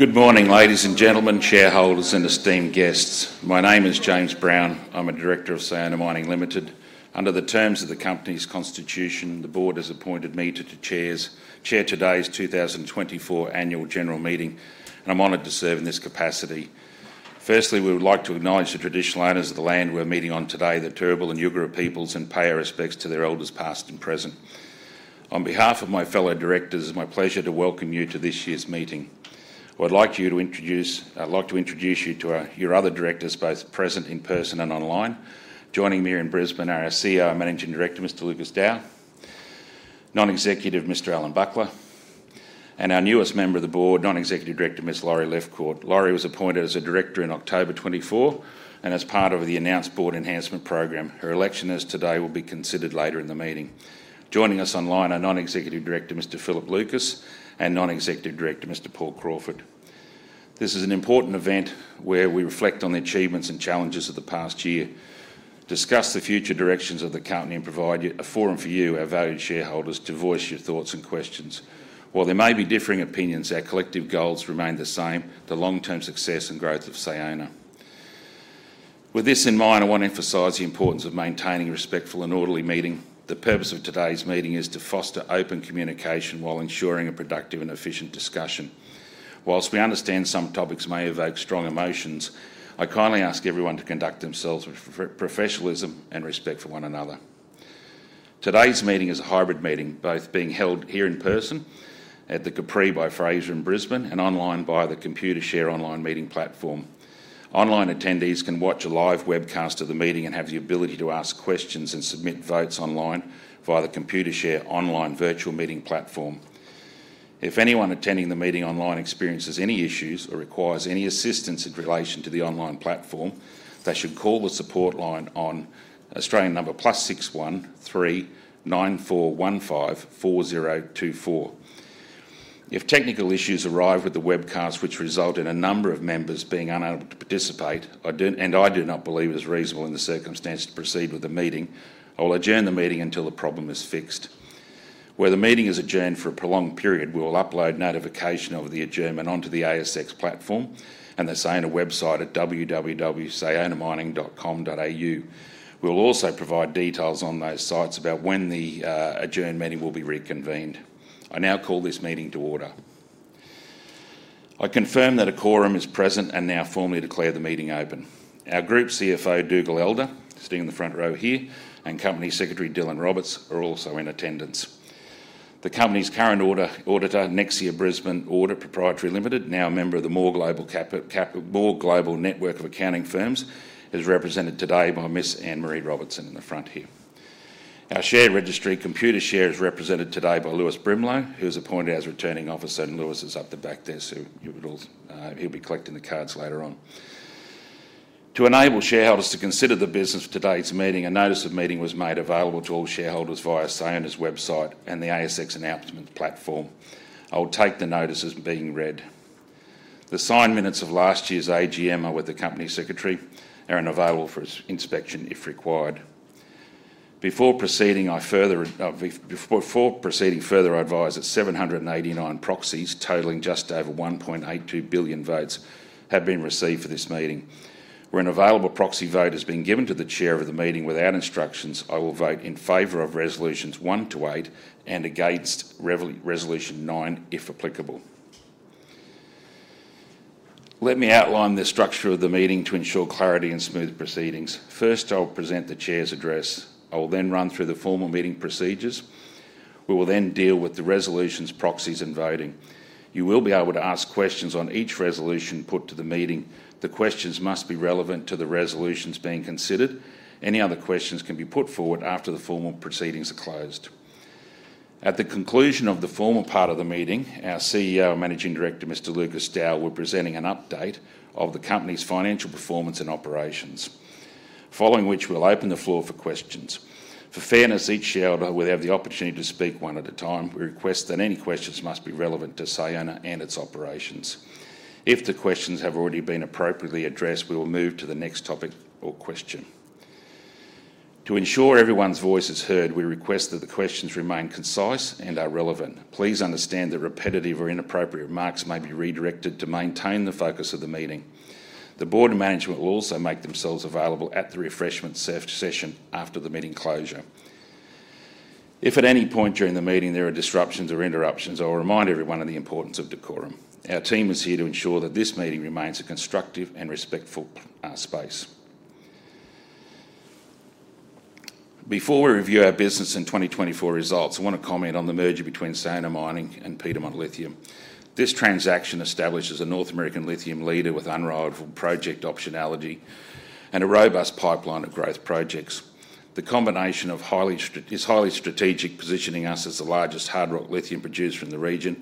Good morning, ladies and gentlemen, shareholders, and esteemed guests. My name is James Brown. I'm a director of Sayona Mining Limited. Under the terms of the company's constitution, the board has appointed me to chair today's 2024 annual general meeting, and I'm honored to serve in this capacity. Firstly, we would like to acknowledge the traditional owners of the land we're meeting on today, the Turrbal and Yugara peoples, and pay our respects to their elders past and present. On behalf of my fellow directors, it's my pleasure to welcome you to this year's meeting. I'd like to introduce you to your other directors, both present in person and online. Joining me here in Brisbane are our CEO and Managing Director, Mr. Lucas Dow, Non-Executive Mr. Allan Buckler, and our newest member of the board, Non-Executive Director, Ms. Laurie Lefcourt. Laurie was appointed as a director in October 2024 and as part of the announced board enhancement program. Her election as today will be considered later in the meeting. Joining us online are Non-Executive Director, Mr. Philip Lucas, and Non-Executive Director, Mr. Paul Crawford. This is an important event where we reflect on the achievements and challenges of the past year, discuss the future directions of the company, and provide a forum for you, our valued shareholders, to voice your thoughts and questions. While there may be differing opinions, our collective goals remain the same: the long-term success and growth of Sayona. With this in mind, I want to emphasize the importance of maintaining a respectful and orderly meeting. The purpose of today's meeting is to foster open communication while ensuring a productive and efficient discussion. While we understand some topics may evoke strong emotions, I kindly ask everyone to conduct themselves with professionalism and respect for one another. Today's meeting is a hybrid meeting, both being held here in person at the Capri by Fraser in Brisbane and online via the Computershare online meeting platform. Online attendees can watch a live webcast of the meeting and have the ability to ask questions and submit votes online via the Computershare online virtual meeting platform. If anyone attending the meeting online experiences any issues or requires any assistance in relation to the online platform, they should call the support line on Australian number +61 3 9415 4024. If technical issues arise with the webcast, which result in a number of members being unable to participate, and I do not believe it is reasonable in the circumstances to proceed with the meeting, I will adjourn the meeting until the problem is fixed. Where the meeting is adjourned for a prolonged period, we will upload notification of the adjournment onto the ASX platform and the Sayona website at www.sayonamining.com.au. We will also provide details on those sites about when the adjourned meeting will be reconvened. I now call this meeting to order. I confirm that a quorum is present and now formally declare the meeting open. Our Group CFO, Dougal Elder, sitting in the front row here, and Company Secretary, [Dylan] Roberts, are also in attendance. The company's current auditor, Nexia Brisbane Audit Pty Ltd, now a member of the Moore Global network of accounting firms, is represented today by Miss Ann-Maree Robertson in the front here. Our share registry, Computershare, is represented today by Lewis Brimlow, who is appointed as returning officer, and Lewis is up the back there, so he'll be collecting the cards later on. To enable shareholders to consider the business of today's meeting, a notice of meeting was made available to all shareholders via Sayona's website and the ASX announcement platform. I will take the notice as being read. The signed minutes of last year's AGM are with the company secretary and are available for inspection if required. Before proceeding further, I advise that 789 proxies totaling just over 1.82 billion votes have been received for this meeting. When an available proxy vote has been given to the chair of the meeting without instructions, I will vote in favor of resolutions one to eight and against resolution nine if applicable. Let me outline the structure of the meeting to ensure clarity and smooth proceedings. First, I'll present the chair's address. I will then run through the formal meeting procedures. We will then deal with the resolutions, proxies, and voting. You will be able to ask questions on each resolution put to the meeting. The questions must be relevant to the resolutions being considered. Any other questions can be put forward after the formal proceedings are closed. At the conclusion of the formal part of the meeting, our CEO and Managing Director, Mr. Lucas Dow, will be presenting an update of the company's financial performance and operations, following which we'll open the floor for questions. For fairness, each shareholder will have the opportunity to speak one at a time. We request that any questions must be relevant to Sayona and its operations. If the questions have already been appropriately addressed, we will move to the next topic or question. To ensure everyone's voice is heard, we request that the questions remain concise and are relevant. Please understand that repetitive or inappropriate remarks may be redirected to maintain the focus of the meeting. The board and management will also make themselves available at the refreshment session after the meeting closure. If at any point during the meeting there are disruptions or interruptions, I'll remind everyone of the importance of decorum. Our team is here to ensure that this meeting remains a constructive and respectful space. Before we review our business and 2024 results, I want to comment on the merger between Sayona Mining and Piedmont Lithium. This transaction establishes a North American lithium leader with unrivaled project optionality and a robust pipeline of growth projects. The combination is highly strategic, positioning us as the largest hard rock lithium producer in the region,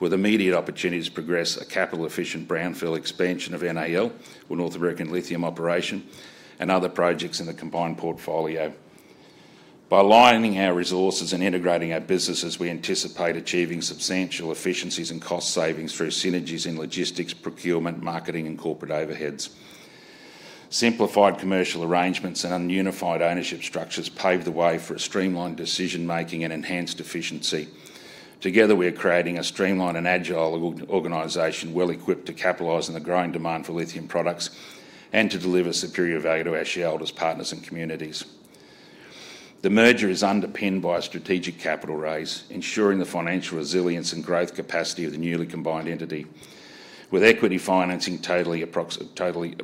with immediate opportunities to progress a capital-efficient brownfield expansion of NAL, or North American Lithium Operation, and other projects in the combined portfolio. By aligning our resources and integrating our businesses, we anticipate achieving substantial efficiencies and cost savings through synergies in logistics, procurement, marketing, and corporate overheads. Simplified commercial arrangements and unified ownership structures pave the way for streamlined decision-making and enhanced efficiency. Together, we are creating a streamlined and agile organization well-equipped to capitalize on the growing demand for lithium products and to deliver superior value to our shareholders, partners, and communities. The merger is underpinned by a strategic capital raise, ensuring the financial resilience and growth capacity of the newly combined entity, with equity financing totaling approximately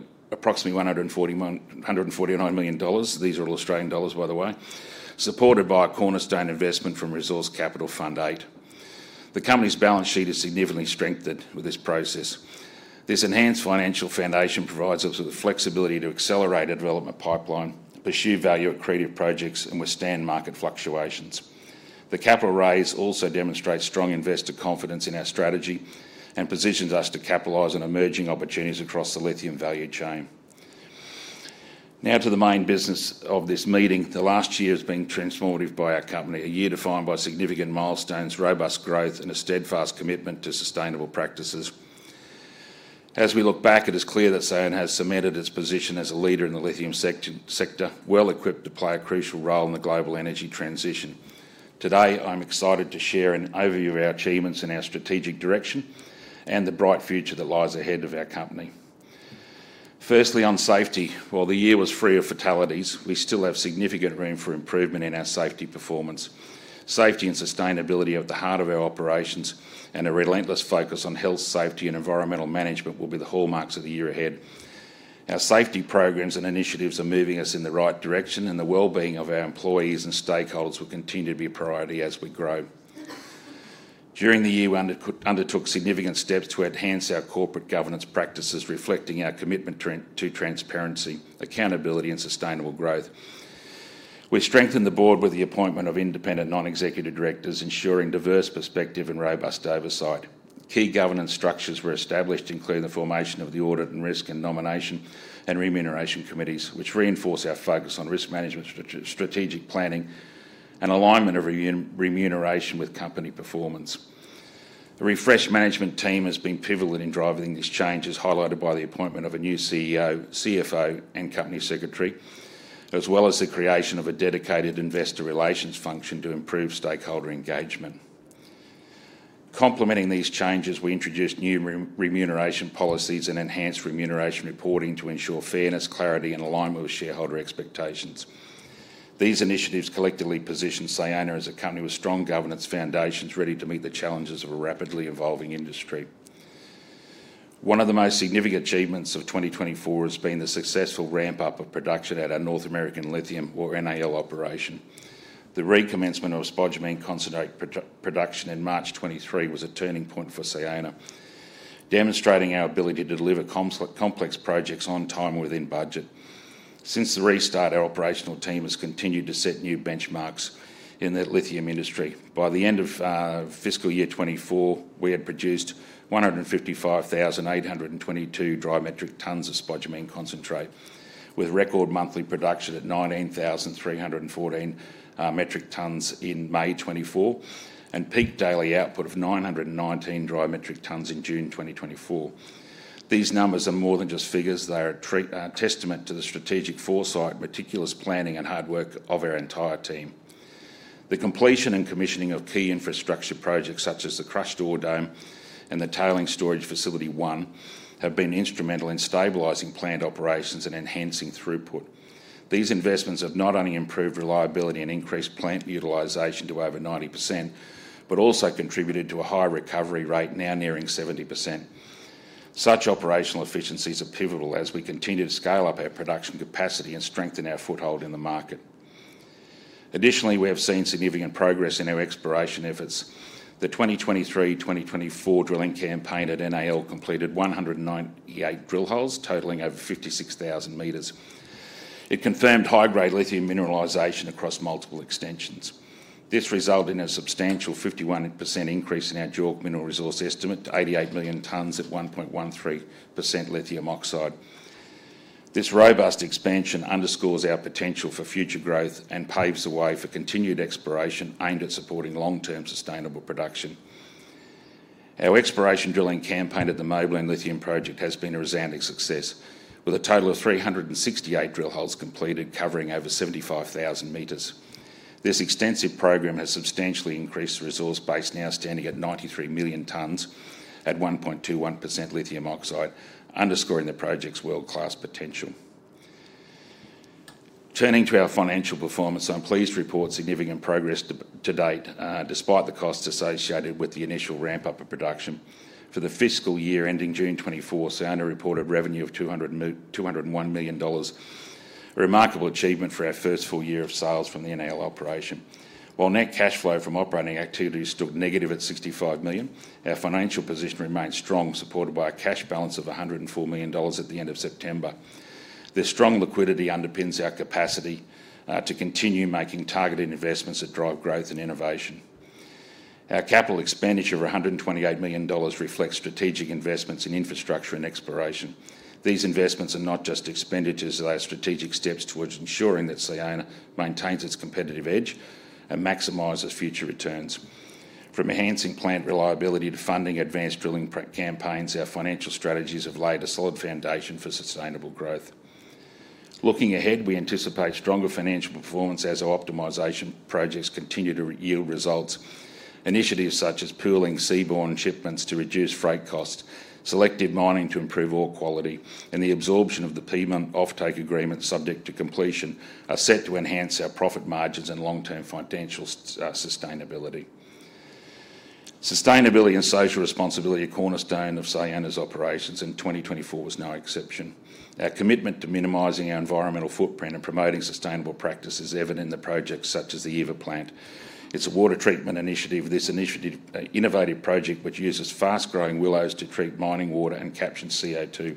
149 million dollars. These are Australian dollars, by the way, supported by a cornerstone investment from Resource Capital Fund VIII. The company's balance sheet is significantly strengthened with this process. This enhanced financial foundation provides us with the flexibility to accelerate a development pipeline, pursue value-accretive projects, and withstand market fluctuations. The capital raise also demonstrates strong investor confidence in our strategy and positions us to capitalize on emerging opportunities across the lithium value chain. Now to the main business of this meeting. The last year has been transformative by our company, a year defined by significant milestones, robust growth, and a steadfast commitment to sustainable practices. As we look back, it is clear that Sayona has cemented its position as a leader in the lithium sector, well-equipped to play a crucial role in the global energy transition. Today, I'm excited to share an overview of our achievements in our strategic direction and the bright future that lies ahead of our company. Firstly, on safety, while the year was free of fatalities, we still have significant room for improvement in our safety performance. Safety and sustainability are at the heart of our operations, and a relentless focus on health, safety, and environmental management will be the hallmarks of the year ahead. Our safety programs and initiatives are moving us in the right direction, and the well-being of our employees and stakeholders will continue to be a priority as we grow. During the year, we undertook significant steps to enhance our corporate governance practices, reflecting our commitment to transparency, accountability, and sustainable growth. We strengthened the board with the appointment of independent non-executive directors, ensuring diverse perspective and robust oversight. Key governance structures were established, including the formation of the audit and risk and nomination and remuneration committees, which reinforce our focus on risk management, strategic planning, and alignment of remuneration with company performance. The refreshed management team has been pivotal in driving these changes, highlighted by the appointment of a new CEO, CFO, and company secretary, as well as the creation of a dedicated investor relations function to improve stakeholder engagement. Complementing these changes, we introduced new remuneration policies and enhanced remuneration reporting to ensure fairness, clarity, and alignment with shareholder expectations. These initiatives collectively position Sayona as a company with strong governance foundations ready to meet the challenges of a rapidly evolving industry. One of the most significant achievements of 2024 has been the successful ramp-up of production at our North American Lithium, or NAL, operation. The recommencement of spodumene concentrate production in March 2023 was a turning point for Sayona, demonstrating our ability to deliver complex projects on time and within budget. Since the restart, our operational team has continued to set new benchmarks in the lithium industry. By the end of fiscal year 2024, we had produced 155,822 dry metric tons of spodumene concentrate, with record monthly production at 19,314 metric tons in May 2024 and peak daily output of 919 dry metric tons in June 2024. These numbers are more than just figures. They are a testament to the strategic foresight, meticulous planning, and hard work of our entire team. The completion and commissioning of key infrastructure projects such as the crushed ore dome and the tailings storage facility one have been instrumental in stabilizing plant operations and enhancing throughput. These investments have not only improved reliability and increased plant utilization to over 90%, but also contributed to a high recovery rate now nearing 70%. Such operational efficiencies are pivotal as we continue to scale up our production capacity and strengthen our foothold in the market. Additionally, we have seen significant progress in our exploration efforts. The 2023-2024 drilling campaign at NAL completed 198 drill holes totaling over 56,000 meters. It confirmed high-grade lithium mineralization across multiple extensions. This resulted in a substantial 51% increase in our dual mineral resource estimate to 88 million tons at 1.13% lithium oxide. This robust expansion underscores our potential for future growth and paves the way for continued exploration aimed at supporting long-term sustainable production. Our exploration drilling campaign at the Moblan Lithium project has been a resounding success, with a total of 368 drill holes completed covering over 75,000 meters. This extensive program has substantially increased the resource base, now standing at 93 million tons at 1.21% lithium oxide, underscoring the project's world-class potential. Turning to our financial performance, I'm pleased to report significant progress to date, despite the costs associated with the initial ramp-up of production. For the fiscal year ending June 2024, Sayona reported revenue of 201 million dollars, a remarkable achievement for our first full year of sales from the NAL operation. While net cash flow from operating activities stood negative at 65 million, our financial position remained strong, supported by a cash balance of 104 million dollars at the end of September. This strong liquidity underpins our capacity to continue making targeted investments that drive growth and innovation. Our capital expenditure of 128 million dollars reflects strategic investments in infrastructure and exploration. These investments are not just expenditures. They are strategic steps towards ensuring that Sayona maintains its competitive edge and maximizes future returns. From enhancing plant reliability to funding advanced drilling campaigns, our financial strategies have laid a solid foundation for sustainable growth. Looking ahead, we anticipate stronger financial performance as our optimization projects continue to yield results. Initiatives such as pooling seaborne shipments to reduce freight costs, selective mining to improve ore quality, and the absorption of the Piedmont offtake agreement subject to completion are set to enhance our profit margins and long-term financial sustainability. Sustainability and social responsibility, a cornerstone of Sayona's operations in 2024, was no exception. Our commitment to minimizing our environmental footprint and promoting sustainable practices is evident in the projects such as the Evapo Plant. It's a water treatment initiative, this innovative project which uses fast-growing willows to treat mining water and capture CO2.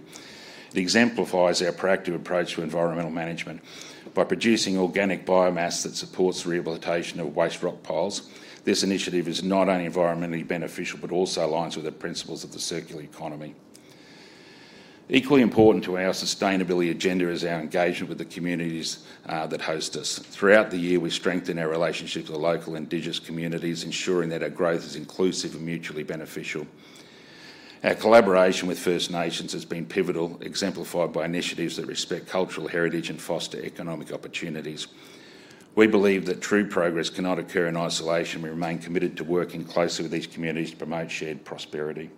It exemplifies our proactive approach to environmental management by producing organic biomass that supports the rehabilitation of waste rock piles. This initiative is not only environmentally beneficial but also aligns with the principles of the circular economy. Equally important to our sustainability agenda is our engagement with the communities that host us. Throughout the year, we strengthen our relationships with local indigenous communities, ensuring that our growth is inclusive and mutually beneficial. Our collaboration with First Nations has been pivotal, exemplified by initiatives that respect cultural heritage and foster economic opportunities. We believe that true progress cannot occur in isolation. We remain committed to working closely with these communities to promote shared prosperity.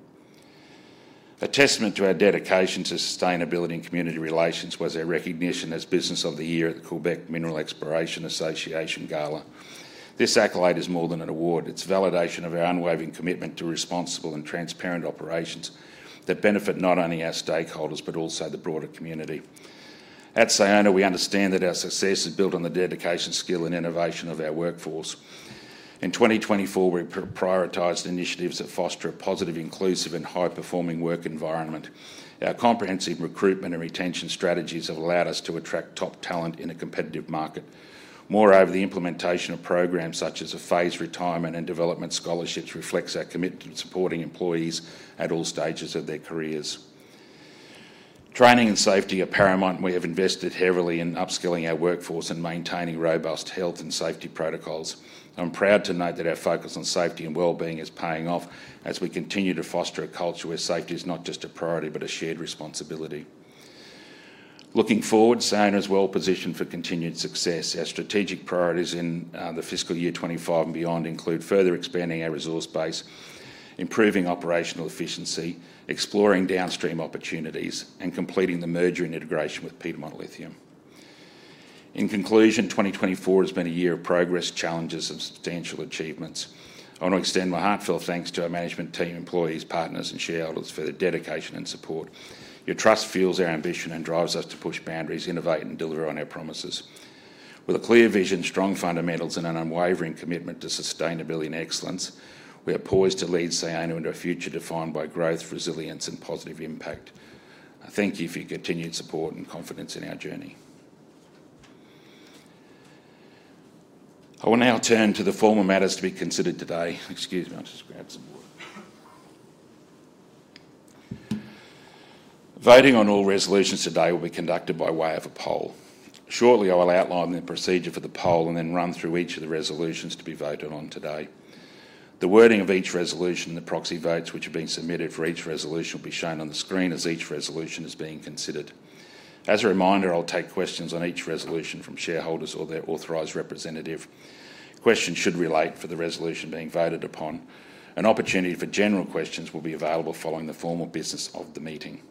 A testament to our dedication to sustainability and community relations was our recognition as Business of the Year at the Quebec Mineral Exploration Association Gala. This accolade is more than an award. It's validation of our unwavering commitment to responsible and transparent operations that benefit not only our stakeholders but also the broader community. At Sayona, we understand that our success is built on the dedication, skill, and innovation of our workforce. In 2024, we prioritized initiatives that foster a positive, inclusive, and high-performing work environment. Our comprehensive recruitment and retention strategies have allowed us to attract top talent in a competitive market. Moreover, the implementation of programs such as a phased retirement and development scholarships reflects our commitment to supporting employees at all stages of their careers. Training and safety are paramount. We have invested heavily in upskilling our workforce and maintaining robust health and safety protocols. I'm proud to note that our focus on safety and well-being is paying off as we continue to foster a culture where safety is not just a priority but a shared responsibility. Looking forward, Sayona is well-positioned for continued success. Our strategic priorities in the fiscal year 2025 and beyond include further expanding our resource base, improving operational efficiency, exploring downstream opportunities, and completing the merger and integration with Piedmont Lithium. In conclusion, 2024 has been a year of progress, challenges, and substantial achievements. I want to extend my heartfelt thanks to our management team, employees, partners, and shareholders for their dedication and support. Your trust fuels our ambition and drives us to push boundaries, innovate, and deliver on our promises. With a clear vision, strong fundamentals, and an unwavering commitment to sustainability and excellence, we are poised to lead Sayona into a future defined by growth, resilience, and positive impact. Thank you for your continued support and confidence in our journey. I will now turn to the formal matters to be considered today. Excuse me, I'll just grab some water. Voting on all resolutions today will be conducted by way of a poll. Shortly, I will outline the procedure for the poll and then run through each of the resolutions to be voted on today. The wording of each resolution and the proxy votes which have been submitted for each resolution will be shown on the screen as each resolution is being considered. As a reminder, I'll take questions on each resolution from shareholders or their authorized representative. Questions should relate to the resolution being voted upon. An opportunity for general questions will be available following the formal business of the meeting.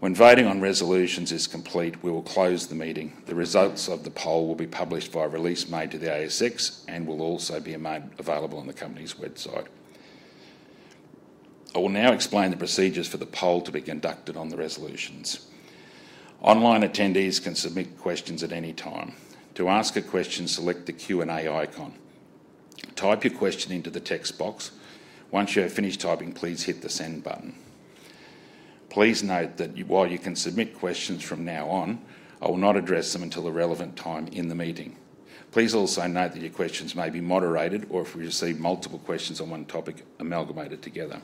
When voting on resolutions is complete, we will close the meeting. The results of the poll will be published via release made to the ASX and will also be made available on the company's website. I will now explain the procedures for the poll to be conducted on the resolutions. Online attendees can submit questions at any time. To ask a question, select the Q&A icon. Type your question into the text box. Once you have finished typing, please hit the send button. Please note that while you can submit questions from now on, I will not address them until a relevant time in the meeting. Please also note that your questions may be moderated or if we receive multiple questions on one topic, amalgamated together.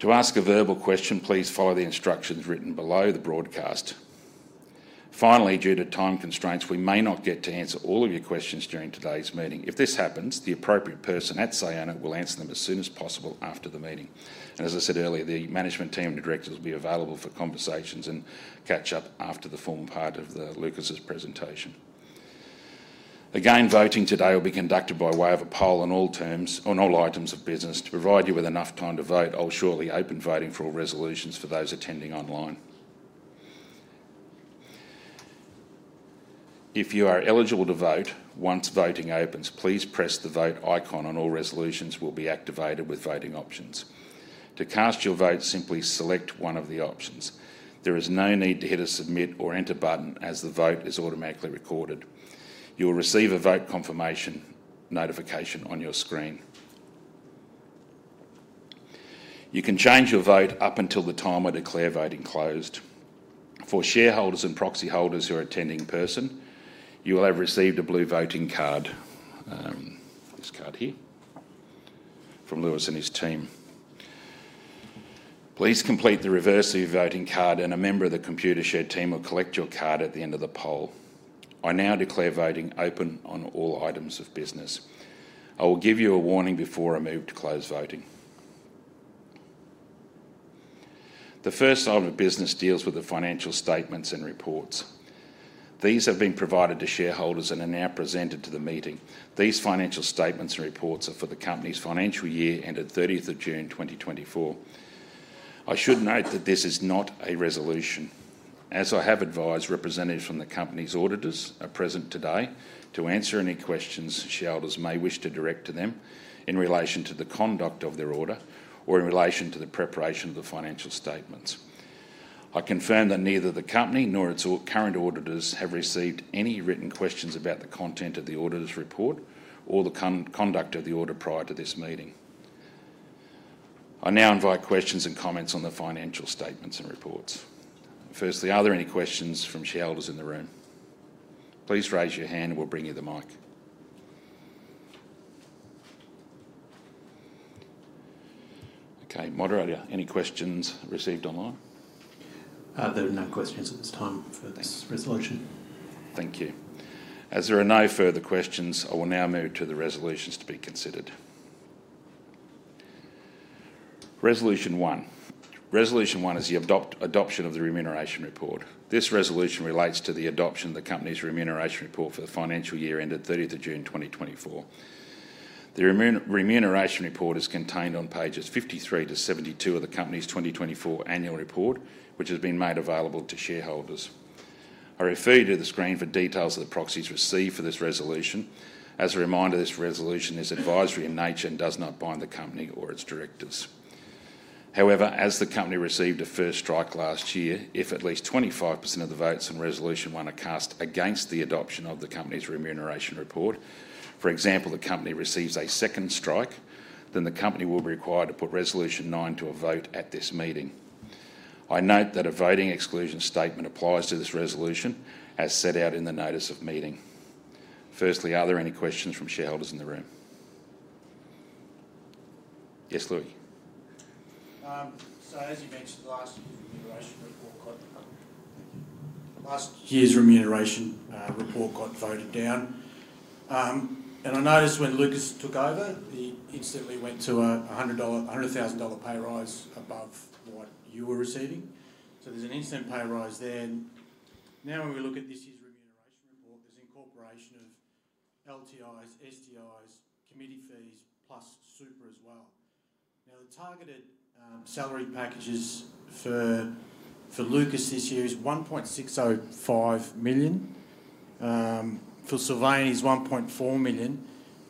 To ask a verbal question, please follow the instructions written below the broadcast. Finally, due to time constraints, we may not get to answer all of your questions during today's meeting. If this happens, the appropriate person at Sayona will answer them as soon as possible after the meeting. And as I said earlier, the management team and directors will be available for conversations and catch up after the formal part of the Lucas's presentation. Again, voting today will be conducted by way of a poll on all items of business. To provide you with enough time to vote, I'll shortly open voting for all resolutions for those attending online. If you are eligible to vote, once voting opens, please press the vote icon on all resolutions. It will be activated with voting options. To cast your vote, simply select one of the options. There is no need to hit a submit or enter button as the vote is automatically recorded. You will receive a vote confirmation notification on your screen. You can change your vote up until the time I declare voting closed. For shareholders and proxy holders who are attending in person, you will have received a blue voting card, this card here, from Lewis and his team. Please complete the reverse of your voting card, and a member of the Computershare team will collect your card at the end of the poll. I now declare voting open on all items of business. I will give you a warning before I move to close voting. The first item of business deals with the financial statements and reports. These have been provided to shareholders and are now presented to the meeting. These financial statements and reports are for the company's financial year ended 30th of June 2024. I should note that this is not a resolution. As I have advised, representatives from the company's auditors are present today to answer any questions shareholders may wish to direct to them in relation to the conduct of their audit or in relation to the preparation of the financial statements. I confirm that neither the company nor its current auditors have received any written questions about the content of the auditor's report or the conduct of the audit prior to this meeting. I now invite questions and comments on the financial statements and reports. Firstly, are there any questions from shareholders in the room? Please raise your hand and we'll bring you the mic. Okay, Moderator, any questions received online? There are no questions at this time for this resolution. Thank you. As there are no further questions, I will now move to the resolutions to be considered. Resolution 1. Resolution 1 is the adoption of the remuneration report. This resolution relates to the adoption of the company's remuneration report for the financial year ended 30th of June 2024. The remuneration report is contained on pages 53-72 of the company's 2024 annual report, which has been made available to shareholders. I refer you to the screen for details of the proxies received for this resolution. As a reminder, this resolution is advisory in nature and does not bind the company or its directors. However, as the company received a first strike last year, if at least 25% of the votes in resolution 1 are cast against the adoption of the company's remuneration report, for example, the company receives a second strike, then the company will be required to put resolution 9 to a vote at this meeting. I note that a voting exclusion statement applies to this resolution as set out in the notice of meeting. Firstly, are there any questions from shareholders in the room? Yes, Lewis. So, as you mentioned, last year, the remuneration report got voted down. Thank you. Last year's remuneration report got voted down. And I noticed when Lucas took over, he instantly went to a 100,000 dollar pay rise above what you were receiving. So there's an instant pay rise there. Now, when we look at this year's remuneration report, there's incorporation of LTIs, STIs, committee fees, plus super as well. Now, the targeted salary packages for Lucas this year is 1.605 million. For Sylvain, it's 1.4 million.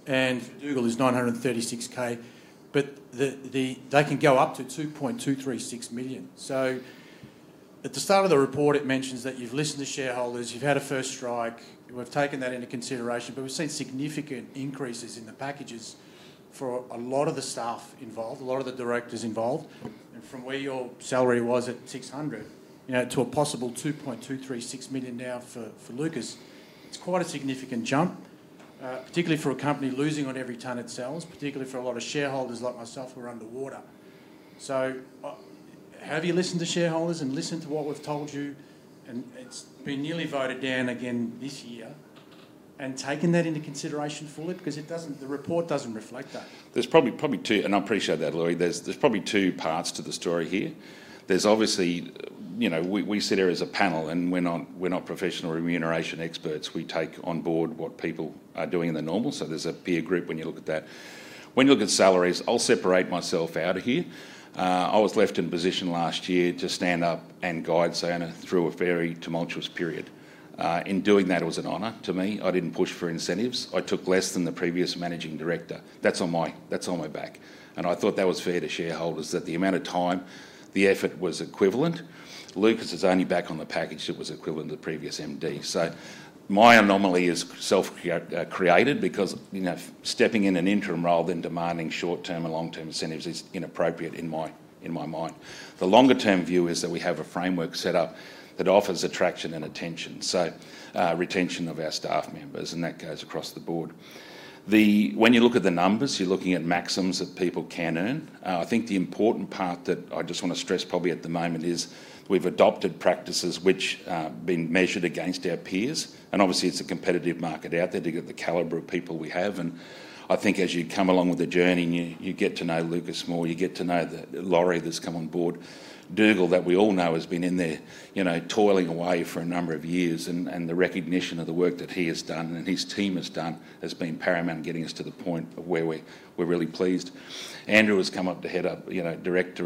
And for Dougal, it's 936K. But they can go up to 2.236 million. So, at the start of the report, it mentions that you've listened to shareholders, you've had a first strike, we've taken that into consideration, but we've seen significant increases in the packages for a lot of the staff involved, a lot of the directors involved. And from where your salary was at 600 to a possible 2.236 million now for Lucas, it's quite a significant jump, particularly for a company losing on every ton it sells, particularly for a lot of shareholders like myself who are underwater. So, have you listened to shareholders and listened to what we've told you? And it's been nearly voted down again this year. And taken that into consideration fully? Because the report doesn't reflect that. There's probably two, and I appreciate that, Lewis. There's probably two parts to the story here. There's obviously we sit here as a panel, and we're not professional remuneration experts. We take on board what people are doing in the normal. So there's a peer group when you look at that. When you look at salaries, I'll separate myself out of here. I was left in position last year to stand up and guide Sayona through a very tumultuous period. In doing that, it was an honor to me. I didn't push for incentives. I took less than the previous managing director. That's on my back. And I thought that was fair to shareholders, that the amount of time, the effort was equivalent. Lucas is only back on the package that was equivalent to the previous MD. So, my anomaly is self-created because stepping in an interim role then demanding short-term and long-term incentives is inappropriate in my mind. The longer-term view is that we have a framework set up that offers attraction and retention, so retention of our staff members, and that goes across the board. When you look at the numbers, you're looking at maximums that people can earn. I think the important part that I just want to stress probably at the moment is we've adopted practices which have been measured against our peers. And obviously, it's a competitive market out there to get the caliber of people we have. And I think as you come along with the journey and you get to know Lucas more, you get to know the Laurie that's come on board, Dougal, that we all know has been in there toiling away for a number of years. And the recognition of the work that he has done and his team has done has been paramount in getting us to the point where we're really pleased. Andrew has come up to Head of Investor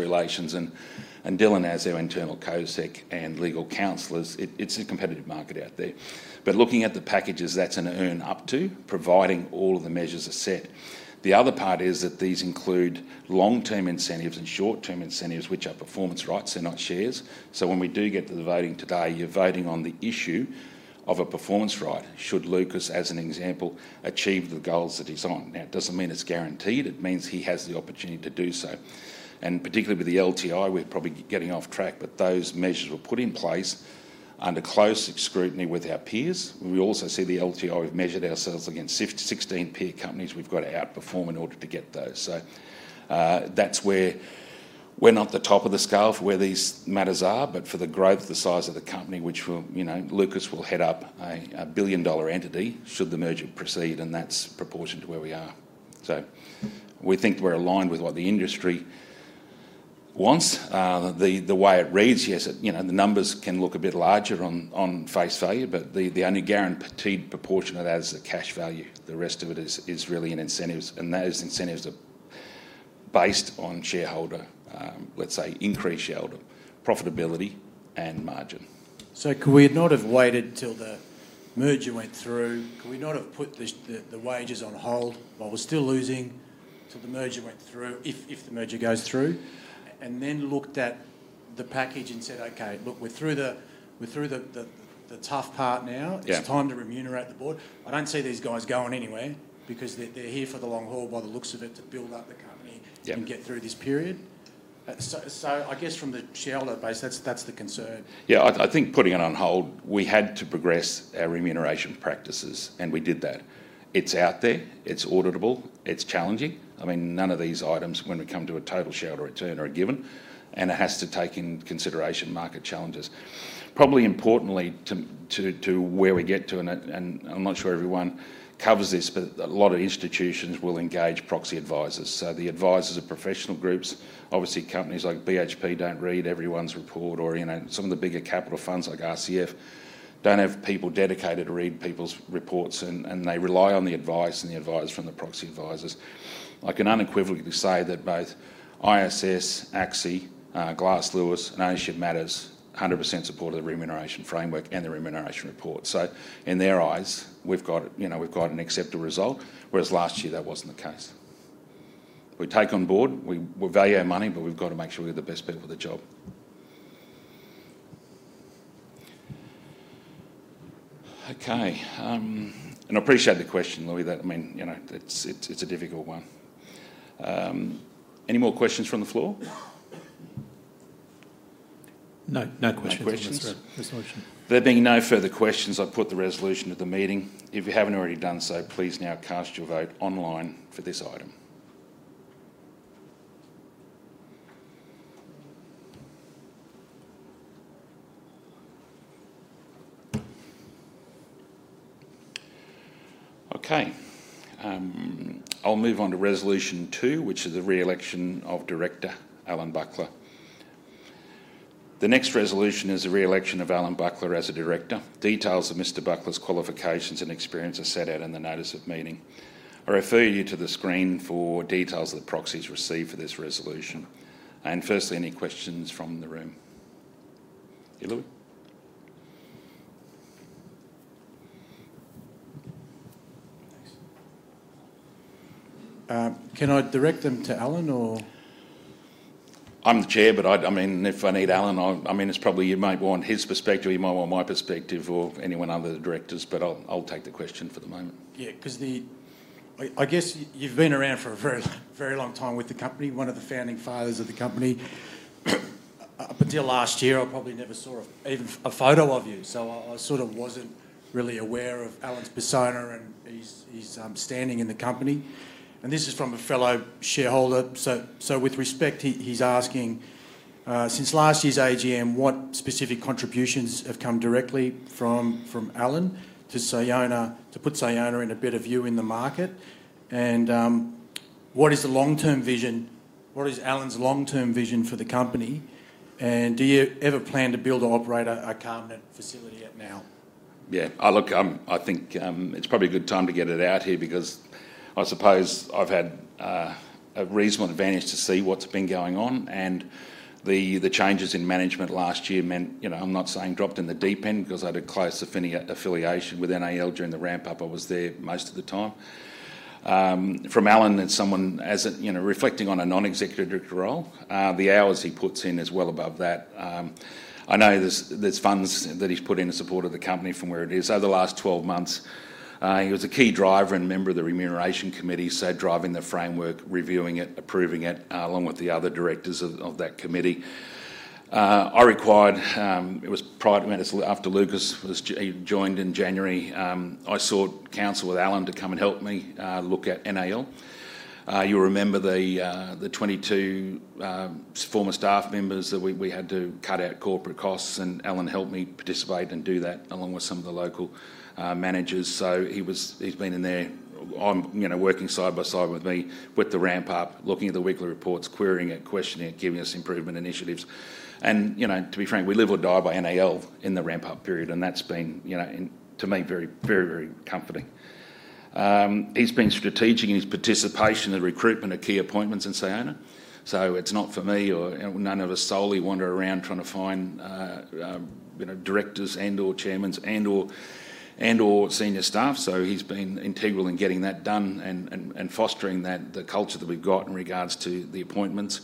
Relations, and Dylan is our internal COSEC and legal counsel. It's a competitive market out there. But looking at the packages, that's an earn up to, providing all of the measures are set. The other part is that these include long-term incentives and short-term incentives, which are performance rights. They're not shares. So when we do get to the voting today, you're voting on the issue of a performance right. Should Lucas, as an example, achieve the goals that he's on? Now, it doesn't mean it's guaranteed. It means he has the opportunity to do so. Particularly with the LTI, we're probably getting off track, but those measures were put in place under close scrutiny with our peers. We also see the LTI. We've measured ourselves against 16 peer companies. We've got to outperform in order to get those. That's where we're not the top of the scale for where these matters are, but for the growth, the size of the company, which Lucas will head up, a billion-dollar entity should the merger proceed, and that's proportioned to where we are. We think we're aligned with what the industry wants. The way it reads, yes, the numbers can look a bit larger on face value, but the only guaranteed proportion of that is the cash value. The rest of it is really in incentives. Those incentives are based on shareholder, let's say, increased shareholder profitability and margin. So could we not have waited till the merger went through? Could we not have put the wages on hold while we're still losing till the merger went through, if the merger goes through? And then looked at the package and said, "Okay, look, we're through the tough part now. It's time to remunerate the board. I don't see these guys going anywhere because they're here for the long haul by the looks of it to build up the company and get through this period." So I guess from the shareholder base, that's the concern. Yeah, I think putting it on hold, we had to progress our remuneration practices, and we did that. It's out there. It's auditable. It's challenging. I mean, none of these items, when we come to a total shareholder return, are a given, and it has to take into consideration market challenges. Probably, importantly to where we get to, and I'm not sure everyone covers this, but a lot of institutions will engage proxy advisors. So the advisors are professional groups. Obviously, companies like BHP don't read everyone's report, or some of the bigger capital funds like RCF don't have people dedicated to read people's reports, and they rely on the advice and the advisors from the proxy advisors. I can unequivocally say that both ISS, and, Glass Lewis, and Ownership Matters 100% support of the remuneration framework and the remuneration report. So in their eyes, we've got an acceptable result, whereas last year that wasn't the case. We take on board. We value our money, but we've got to make sure we're the best people at the job. Okay. And I appreciate the question, Lewis. I mean, it's a difficult one. Any more questions from the floor? No questions. No questions. There being no further questions, I'll put the resolution to the meeting. If you haven't already done so, please now cast your vote online for this item. Okay. I'll move on to resolution two, which is the re-election of Director Allan Buckler. The next resolution is the re-election of Allan Buckler as a director. Details of Mr. Buckler's qualifications and experience are set out in the notice of meeting. I refer you to the screen for details of the proxies received for this resolution. And firstly, any questions from the room? Yeah, Lewis? Can I direct them to Alan or? I'm the chair, but I mean, if I need Alan, I mean, it's probably you might want his perspective. He might want my perspective or anyone other than the directors, but I'll take the question for the moment. Yeah, because I guess you've been around for a very long time with the company, one of the founding fathers of the company. Up until last year, I probably never saw even a photo of you. So I sort of wasn't really aware of Alan's persona and his standing in the company. And this is from a fellow shareholder. So with respect, he's asking, since last year's AGM, what specific contributions have come directly from Alan to put Sayona in a better view in the market? And what is the long-term vision? What is Alan's long-term vision for the company? And do you ever plan to build or operate a carbonate facility at now? Yeah, I think it's probably a good time to get it out here because I suppose I've had a reasonable advantage to see what's been going on. And the changes in management last year meant I'm not saying dropped in the deep end because I had a close affiliation with NAL during the ramp-up. I was there most of the time. From Alan and someone reflecting on a non-executive director role, the hours he puts in is well above that. I know there's funds that he's put in to support the company from where it is over the last 12 months. He was a key driver and member of the remuneration committee, so driving the framework, reviewing it, approving it, along with the other directors of that committee. I recall it was prior to Lucas joining in January. I sought counsel with Alan to come and help me look at NAL. You'll remember the 22 former staff members that we had to cut our corporate costs, and Alan helped me participate and do that along with some of the local managers. He's been in there working side by side with me with the ramp-up, looking at the weekly reports, querying it, questioning it, giving us improvement initiatives. To be frank, we live or die by NAL in the ramp-up period, and that's been, to me, very, very, very comforting. He's been strategic in his participation in the recruitment of key appointments in Sayona. It's not for me or none of us solely wander around trying to find directors and/or chairmen and/or senior staff. So he's been integral in getting that done and fostering the culture that we've got in regards to the appointments.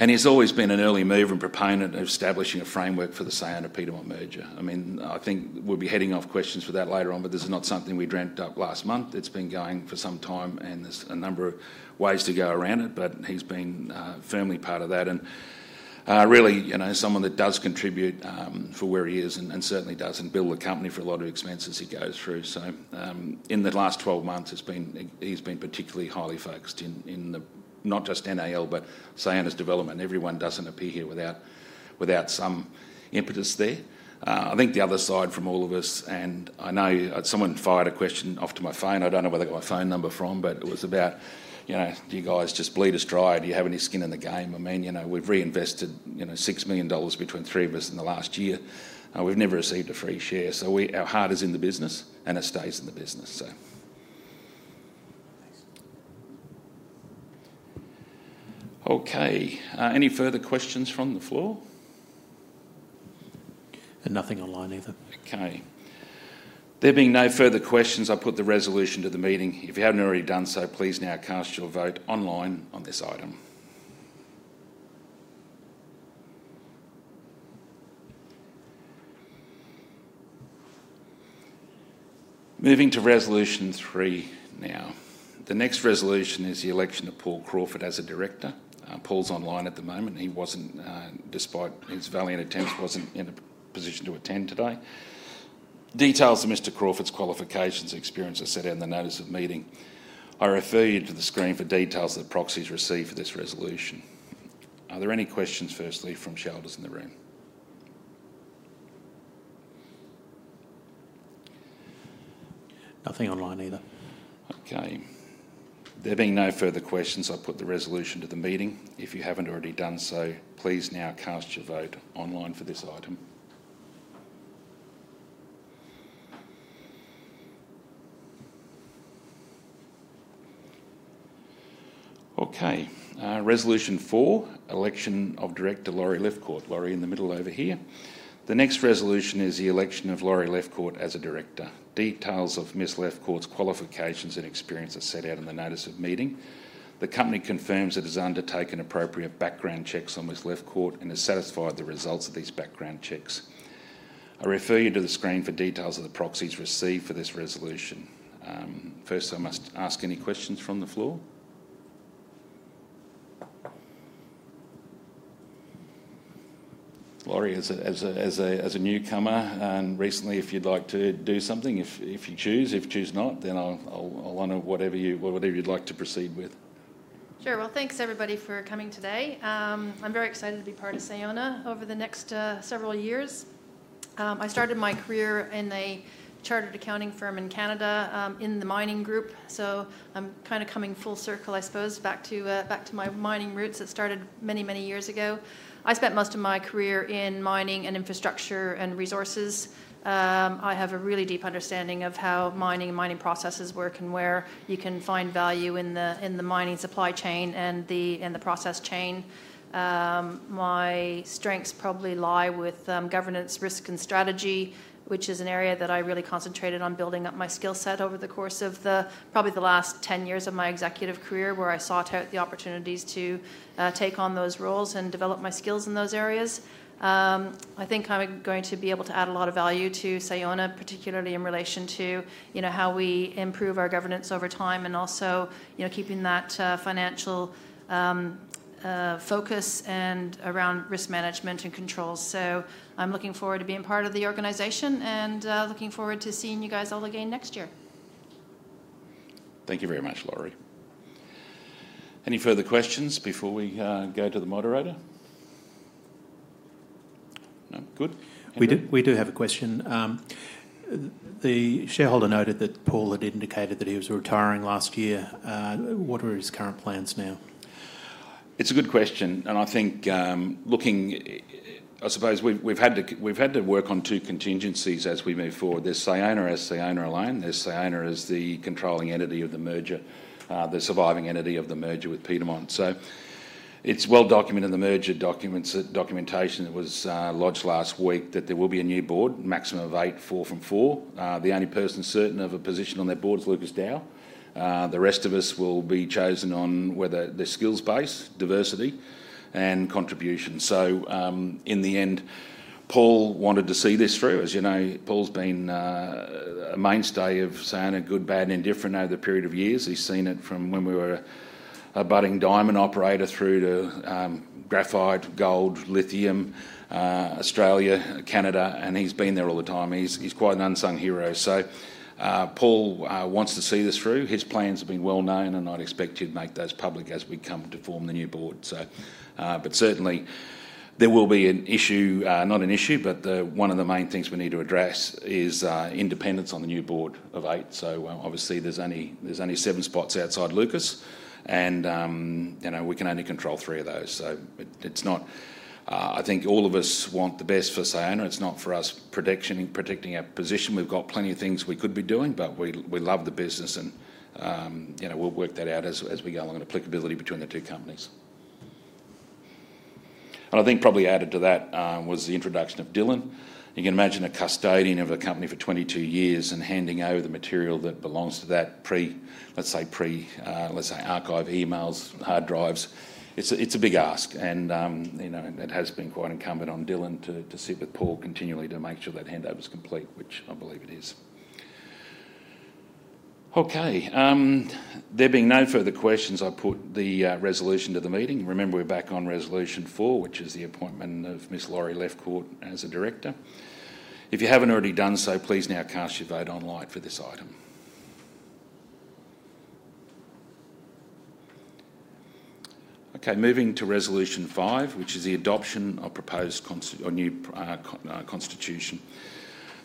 And he's always been an early mover and proponent of establishing a framework for the Sayona-Piedmont merger. I mean, I think we'll be heading off questions for that later on, but this is not something we dreamt up last month. It's been going for some time, and there's a number of ways to go around it, but he's been firmly part of that. And really, someone that does contribute for where he is and certainly doesn't build a company for a lot of expenses he goes through. So in the last 12 months, he's been particularly highly focused in not just NAL, but Sayona's development. Everyone doesn't appear here without some impetus there. I think the other side from all of us, and I know someone fired a question off to my phone. I don't know where they got my phone number from, but it was about, "Do you guys just bleed us dry? Do you have any skin in the game?" I mean, we've reinvested 6 million dollars between three of us in the last year. We've never received a free share. So our heart is in the business, and it stays in the business, so. Okay. Any further questions from the floor? Nothing online either. Okay. There being no further questions, I'll put the resolution to the meeting. If you haven't already done so, please now cast your vote online on this item. Moving to resolution three now. The next resolution is the election of Paul Crawford as a director. Paul's online at the moment. He wasn't, despite his valiant attempts, in a position to attend today. Details of Mr. Crawford's qualifications and experience are set out in the notice of meeting. I refer you to the screen for details of the proxies received for this resolution. Are there any questions, firstly, from shareholders in the room? Nothing online either. Okay. There being no further questions, I'll put the resolution to the meeting. If you haven't already done so, please now cast your vote online for this item. Okay. Resolution four, election of Director Laurie Lefcourt. Laurie in the middle over here. The next resolution is the election of Laurie Lefcourt as a director. Details of Ms. Lefcourt's qualifications and experience are set out in the notice of meeting. The company confirms it has undertaken appropriate background checks on Ms. Lefcourt and has satisfied the results of these background checks. I refer you to the screen for details of the proxies received for this resolution. First, I must ask any questions from the floor. Laurie, as a newcomer, and recently, if you'd like to do something, if you choose. If you choose not, then I'll honor whatever you'd like to proceed with. Sure. Well, thanks, everybody, for coming today. I'm very excited to be part of Sayona over the next several years. I started my career in a chartered accounting firm in Canada in the mining group. So I'm kind of coming full circle, I suppose, back to my mining roots that started many, many years ago. I spent most of my career in mining and infrastructure and resources. I have a really deep understanding of how mining and mining processes work and where you can find value in the mining supply chain and the process chain. My strengths probably lie with governance, risk, and strategy, which is an area that I really concentrated on building up my skill set over the course of probably the last 10 years of my executive career, where I sought out the opportunities to take on those roles and develop my skills in those areas. I think I'm going to be able to add a lot of value to Sayona, particularly in relation to how we improve our governance over time and also keeping that financial focus around risk management and controls. So I'm looking forward to being part of the organization and looking forward to seeing you guys all again next year. Thank you very much, Laurie. Any further questions before we go to the moderator? No? Good. We do have a question. The shareholder noted that Paul had indicated that he was retiring last year. What are his current plans now? It's a good question. And I think looking, I suppose we've had to work on two contingencies as we move forward. There's Sayona as Sayona alone. There's Sayona as the controlling entity of the merger, the surviving entity of the merger with Piedmont. So it's well documented in the merger documentation that was lodged last week that there will be a new board, maximum of eight, four from four. The only person certain of a position on that board is Lucas Dow. The rest of us will be chosen on whether the skills base, diversity, and contribution. So in the end, Paul wanted to see this through. As you know, Paul's been a mainstay of Sayona, good, bad, indifferent over the period of years. He's seen it from when we were a budding diamond operator through to graphite, gold, lithium, Australia, Canada, and he's been there all the time. He's quite an unsung hero, so Paul wants to see this through. His plans have been well known, and I'd expect you to make those public as we come to form the new board, but certainly, there will be an issue, not an issue, but one of the main things we need to address is independence on the new board of eight, so obviously, there's only seven spots outside Lucas, and we can only control three of those, so I think all of us want the best for Sayona. It's not for us protecting our position. We've got plenty of things we could be doing, but we love the business, and we'll work that out as we go along in applicability between the two companies, and I think probably added to that was the introduction of Dylan. You can imagine a custodian of a company for 22 years and handing over the material that belongs to that, let's say, archive emails, hard drives. It's a big ask, and it has been quite incumbent on Dylan to sit with Paul continually to make sure that handout was complete, which I believe it is. Okay. There being no further questions, I'll put the resolution to the meeting. Remember, we're back on resolution four, which is the appointment of Ms. Laurie Lefcourt as a director. If you haven't already done so, please now cast your vote online for this item. Okay. Moving to resolution five, which is the adoption of proposed new constitution.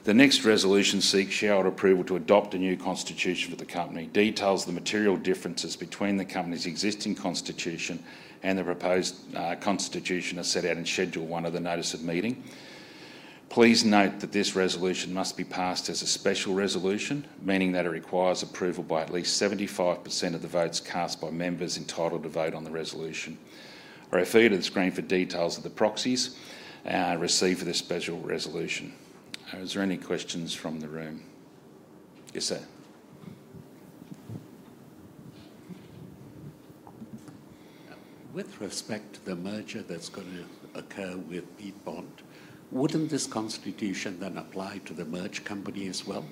The next resolution seeks shareholder approval to adopt a new constitution for the company. Details of the material differences between the company's existing constitution and the proposed constitution are set out in schedule one of the notice of meeting. Please note that this resolution must be passed as a special resolution, meaning that it requires approval by at least 75% of the votes cast by members entitled to vote on the resolution. I refer you to the screen for details of the proxies received for this special resolution. Is there any questions from the room? Yes, sir. With respect to the merger that's going to occur with Piedmont, wouldn't this constitution then apply to the merged company as well?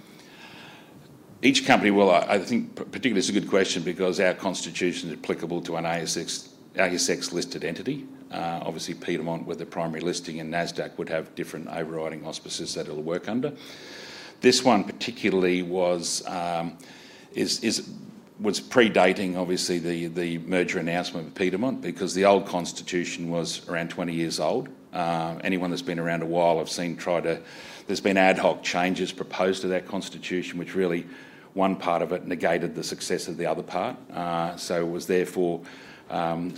Each company will. I think particularly, it's a good question because our constitution is applicable to an ASX-listed entity. Obviously, Piedmont, with the primary listing and NASDAQ, would have different overriding auspices that it'll work under. This one particularly was predating, obviously, the merger announcement with Piedmont because the old constitution was around 20 years old. Anyone that's been around a while, I've seen there's been ad hoc changes proposed to that constitution, which really one part of it negated the success of the other part. So it was therefore wiping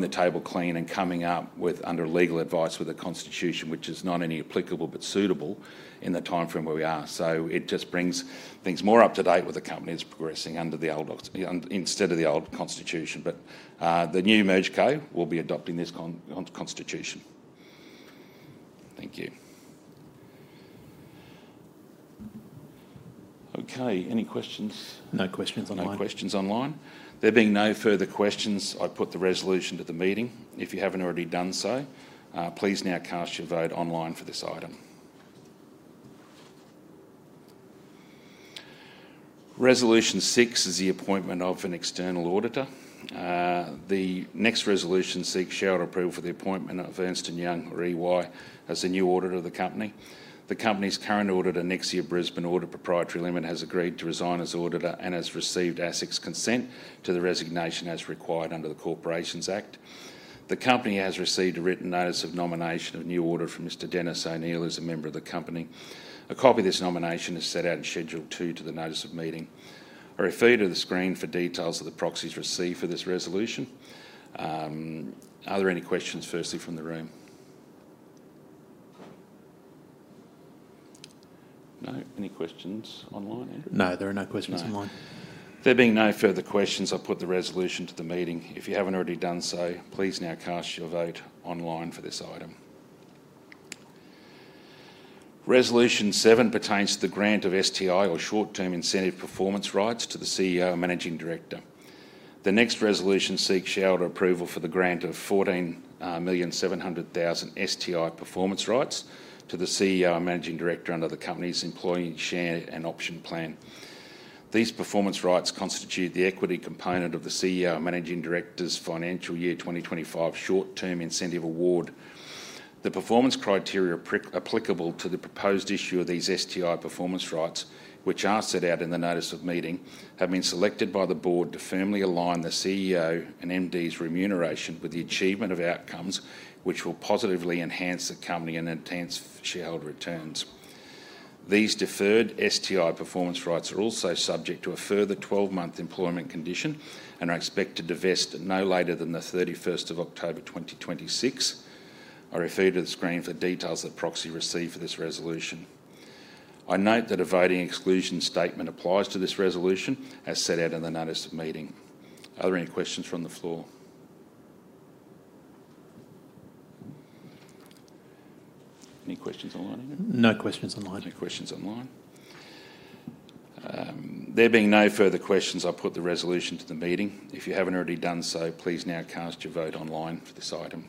the slate clean and coming up under legal advice with a constitution which is not only applicable but suitable in the timeframe where we are. So it just brings things more up to date with the company's progressing under this instead of the old constitution. But the new merger will be adopting this constitution. Thank you. Okay. Any questions? No questions online. No questions online. There being no further questions, I'll put the resolution to the meeting. If you haven't already done so, please now cast your vote online for this item. Resolution six is the appointment of an external auditor. The next resolution seeks shareholder approval for the appointment of Ernst & Young (EY) as the new auditor of the company. The company's current auditor, Nexia Brisbane Audit Pty Ltd, has agreed to resign as auditor and has received ASIC consent to the resignation as required under the Corporations Act. The company has received a written notice of nomination of new auditor from Mr. Dennis O'Neill as a member of the company. A copy of this nomination is set out in Schedule 2 to the notice of meeting. I refer you to the screen for details of the proxies received for this resolution. Are there any questions, firstly, from the room? No? Any questions online, Andrew? No. There are no questions online. There being no further questions, I'll put the resolution to the meeting. If you haven't already done so, please now cast your vote online for this item. Resolution seven pertains to the grant of STI or short-term incentive performance rights to the CEO and managing director. The next resolution seeks shareholder approval for the grant of 14,700,000 STI performance rights to the CEO and managing director under the company's employee share and option plan. These performance rights constitute the equity component of the CEO and managing director's financial year 2025 short-term incentive award. The performance criteria applicable to the proposed issue of these STI performance rights, which are set out in the notice of meeting, have been selected by the board to firmly align the CEO and MD's remuneration with the achievement of outcomes which will positively enhance the company and enhance shareholder returns. These deferred STI performance rights are also subject to a further 12-month employment condition and are expected to vest no later than the 31st of October 2026. I refer you to the screen for details of the proxy received for this resolution. I note that a voting exclusion statement applies to this resolution as set out in the notice of meeting. Are there any questions from the floor? Any questions online, Andrew? No questions online. No questions online. There being no further questions, I'll put the resolution to the meeting. If you haven't already done so, please now cast your vote online for this item.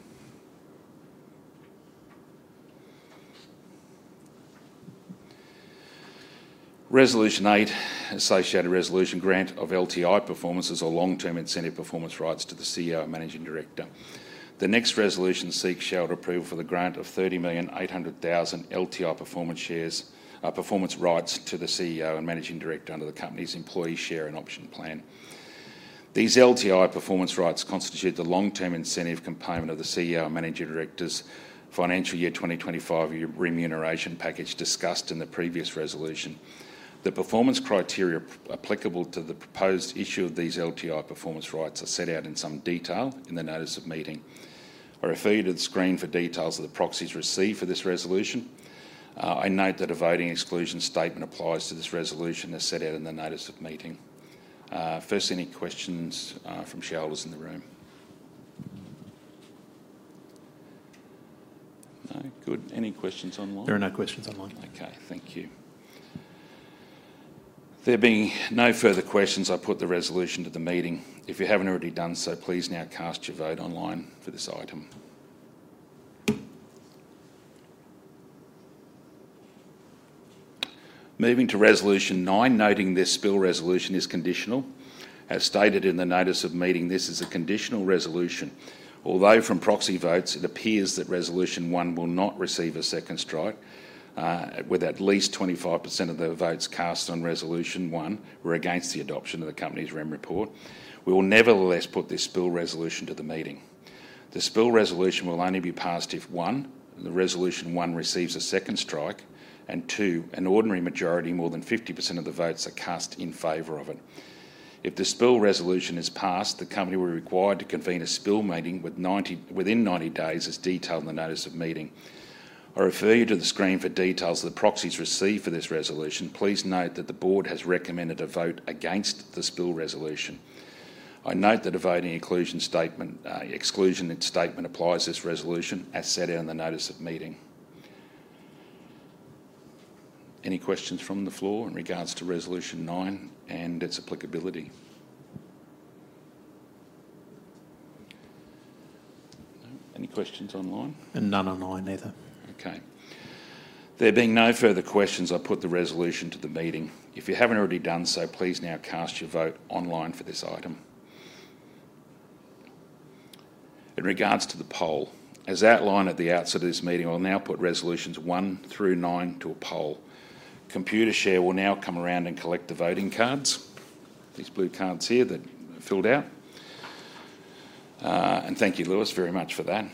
Resolution eight, associated resolution grant of LTI performance or long-term incentive performance rights to the CEO and Managing Director. The next resolution seeks shareholder approval for the grant of 30,800,000 LTI performance rights to the CEO and Managing Director under the company's employee share and option plan. These LTI performance rights constitute the long-term incentive component of the CEO and Managing Director's financial year 2025 remuneration package discussed in the previous resolution. The performance criteria applicable to the proposed issue of these LTI performance rights are set out in some detail in the notice of meeting. I refer you to the screen for details of the proxies received for this resolution. I note that a voting exclusion statement applies to this resolution as set out in the notice of meeting. First, any questions from shareholders in the room? No? Good. Any questions online? There are no questions online. Okay. Thank you. There being no further questions, I'll put the resolution to the meeting. If you haven't already done so, please now cast your vote online for this item. Moving to resolution nine, noting this spill resolution is conditional. As stated in the notice of meeting, this is a conditional resolution. Although from proxy votes, it appears that resolution one will not receive a second strike with at least 25% of the votes cast on resolution one were against the adoption of the company's remuneration report. We will nevertheless put this spill resolution to the meeting. The spill resolution will only be passed if one, the resolution one receives a second strike, and two, an ordinary majority, more than 50% of the votes are cast in favor of it. If the spill resolution is passed, the company will be required to convene a spill meeting within 90 days as detailed in the notice of meeting. I refer you to the screen for details of the proxies received for this resolution. Please note that the board has recommended a vote against the spill resolution. I note that a voting exclusion statement applies to this resolution as set out in the notice of meeting. Any questions from the floor in regards to resolution nine and its applicability? No? Any questions online? None online either. Okay. There being no further questions, I'll put the resolution to the meeting. If you haven't already done so, please now cast your vote online for this item. In regards to the poll, as outlined at the outset of this meeting, I'll now put resolutions one through nine to a poll. Computershare will now come around and collect the voting cards, these blue cards here that are filled out. And thank you, Lewis, very much for that.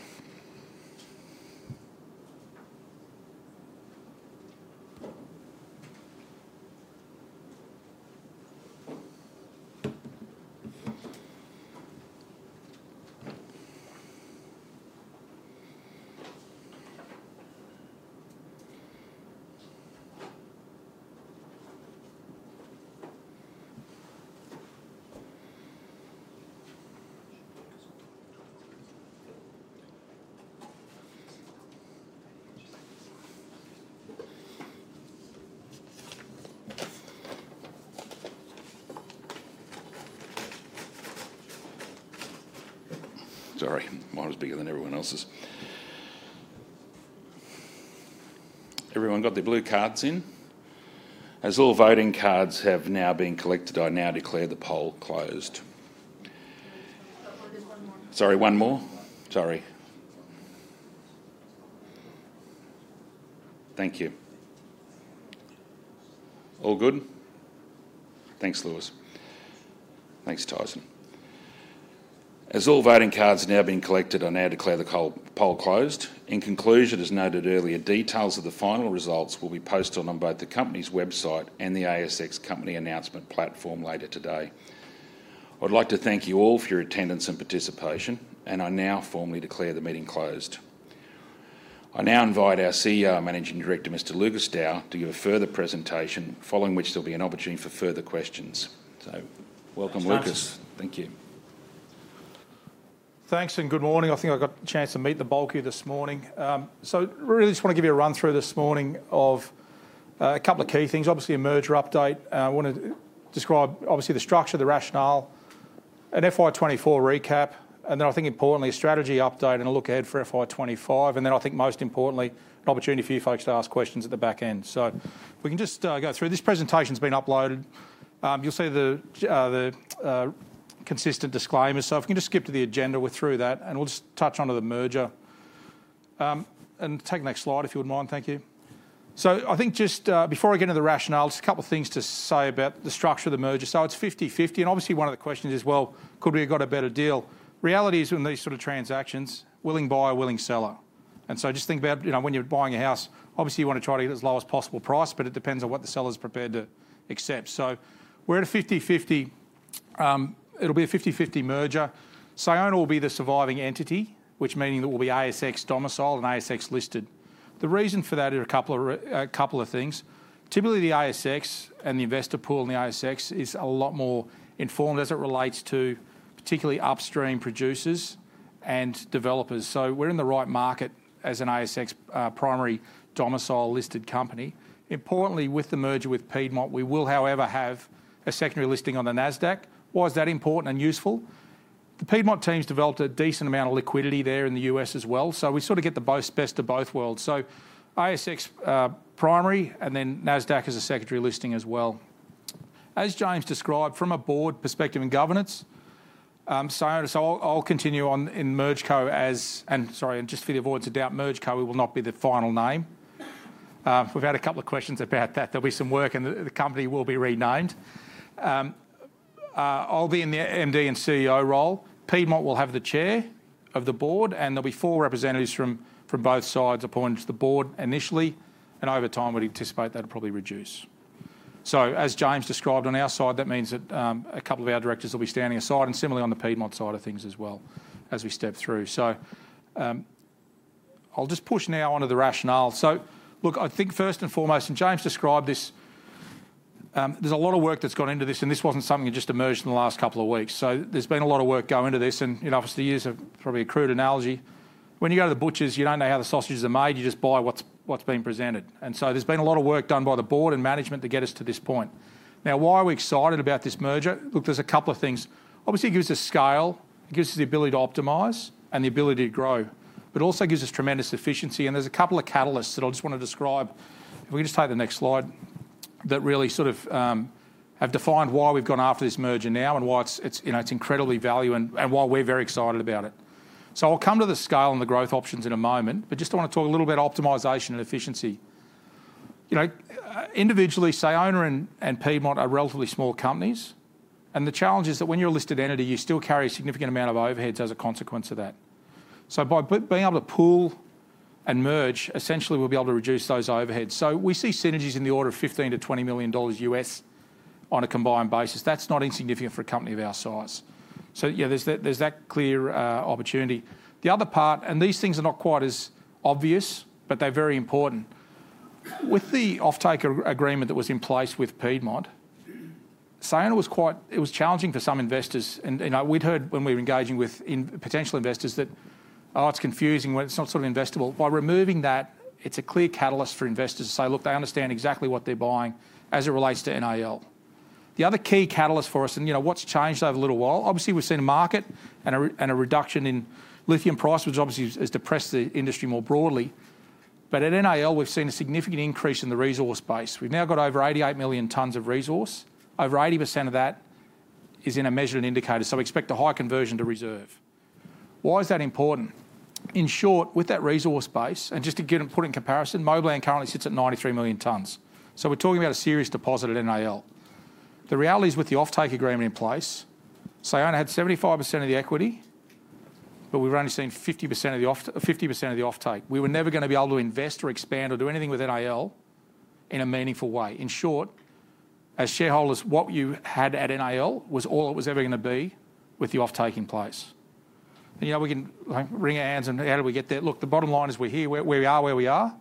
Sorry. Mine was bigger than everyone else's. Everyone got their blue cards in? As all voting cards have now been collected, I now declare the poll closed. I've got just one more. Sorry, one more? Sorry. Thank you. All good? Thanks, Lewis. Thanks, Tyson. As all voting cards have now been collected, I now declare the poll closed. In conclusion, as noted earlier, details of the final results will be posted on both the company's website and the ASX company announcement platform later today. I'd like to thank you all for your attendance and participation, and I now formally declare the meeting closed. I now invite our CEO and managing director, Mr. Lucas Dow, to give a further presentation, following which there'll be an opportunity for further questions. So welcome, Lucas. Thanks. Thank you. Thanks and good morning. I think I got a chance to meet the bulk of you this morning. So really just want to give you a run-through this morning of a couple of key things. Obviously, a merger update. I want to describe, obviously, the structure, the rationale, an FY24 recap, and then I think, importantly, a strategy update and a look ahead for FY25. And then I think, most importantly, an opportunity for you folks to ask questions at the back end. So we can just go through. This presentation's been uploaded. You'll see the consistent disclaimers. So if we can just skip to the agenda, we're through that, and we'll just touch onto the merger. And take the next slide if you wouldn't mind. Thank you. So I think just before I get into the rationale, just a couple of things to say about the structure of the merger. So it's 50/50. And obviously, one of the questions is, well, could we have got a better deal? Reality is, in these sort of transactions, willing buyer, willing seller. And so just think about when you're buying a house, obviously, you want to try to get as low as possible price, but it depends on what the seller's prepared to accept. So we're at a 50/50. It'll be a 50/50 merger. So Sayona will be the surviving entity, which means that will be ASX domicile and ASX listed. The reason for that is a couple of things. Typically, the ASX and the investor pool in the ASX is a lot more informed as it relates to particularly upstream producers and developers. So we're in the right market as an ASX primary domicile listed company. Importantly, with the merger with Piedmont, we will, however, have a secondary listing on the NASDAQ. Why is that important and useful? The Piedmont team's developed a decent amount of liquidity there in the US as well. So we sort of get the best of both worlds. So ASX primary and then NASDAQ as a secondary listing as well. As James described, from a board perspective and governance, so I'll continue on in MergeCo. And sorry, and just for the avoidance of doubt, MergeCo. will not be the final name. We've had a couple of questions about that. There'll be some work, and the company will be renamed. I'll be in the MD and CEO role. Piedmont will have the chair of the board, and there'll be four representatives from both sides appointed to the board initially. And over time, we'd anticipate that'll probably reduce. So as James described, on our side, that means that a couple of our directors will be standing aside and similarly on the Piedmont side of things as well as we step through. So I'll just push now onto the rationale. So look, I think first and foremost, and James described this, there's a lot of work that's gone into this, and this wasn't something that just emerged in the last couple of weeks. So there's been a lot of work going into this. And obviously, years have probably accrued. An analogy. When you go to the butchers, you don't know how the sausages are made. You just buy what's being presented. And so there's been a lot of work done by the board and management to get us to this point. Now, why are we excited about this merger? Look, there's a couple of things. Obviously, it gives us scale. It gives us the ability to optimize and the ability to grow. It also gives us tremendous efficiency. And there's a couple of catalysts that I just want to describe. If we can just take the next slide, that really sort of have defined why we've gone after this merger now and why it's incredibly valuable and why we're very excited about it. So I'll come to the scale and the growth options in a moment, but just I want to talk a little bit about optimization and efficiency. Individually, Sayona and Piedmont are relatively small companies. The challenge is that when you're a listed entity, you still carry a significant amount of overheads as a consequence of that. So by being able to pool and merge, essentially, we'll be able to reduce those overheads. So we see synergies in the order of $15-$20 million USD on a combined basis. That's not insignificant for a company of our size. So there's that clear opportunity. The other part, and these things are not quite as obvious, but they're very important. With the offtake agreement that was in place with Piedmont, saying it was challenging for some investors. We'd heard when we were engaging with potential investors that, "Oh, it's confusing when it's not sort of investable." By removing that, it's a clear catalyst for investors to say, "Look, they understand exactly what they're buying as it relates to NAL." The other key catalyst for us, and what's changed over a little while, obviously, we've seen a market and a reduction in lithium price, which obviously has depressed the industry more broadly. But at NAL, we've seen a significant increase in the resource base. We've now got over 88 million tons of resource. Over 80% of that is in a measured and indicated. So we expect a high conversion to reserve. Why is that important? In short, with that resource base, and just to put it in comparison, Moblan currently sits at 93 million tons. So we're talking about a serious deposit at NAL. The reality is with the offtake agreement in place, Sayona had 75% of the equity, but we've only seen 50% of the offtake. We were never going to be able to invest or expand or do anything with NAL in a meaningful way. In short, as shareholders, what you had at NAL was all it was ever going to be with the offtake in place. And we can wring our hands and how did we get there? Look, the bottom line is we're here where we are, where we are.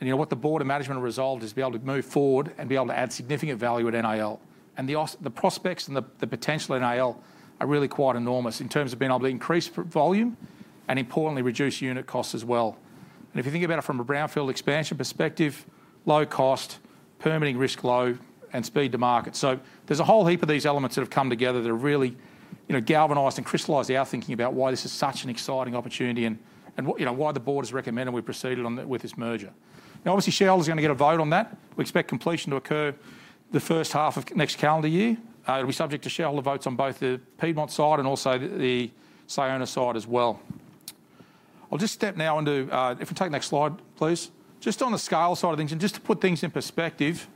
And what the board and management resolved is to be able to move forward and be able to add significant value at NAL. And the prospects and the potential at NAL are really quite enormous in terms of being able to increase volume and, importantly, reduce unit costs as well. And if you think about it from a brownfield expansion perspective, low cost, permitting risk low, and speed to market. So there's a whole heap of these elements that have come together that have really galvanized and crystallized our thinking about why this is such an exciting opportunity and why the board has recommended we proceeded with this merger. Now, obviously, shareholders are going to get a vote on that. We expect completion to occur the first half of next calendar year. It'll be subject to shareholder votes on both the Piedmont side and also the Sayona side as well. I'll just step now into if we take the next slide, please. Just on the scale side of things, and just to put things in perspective,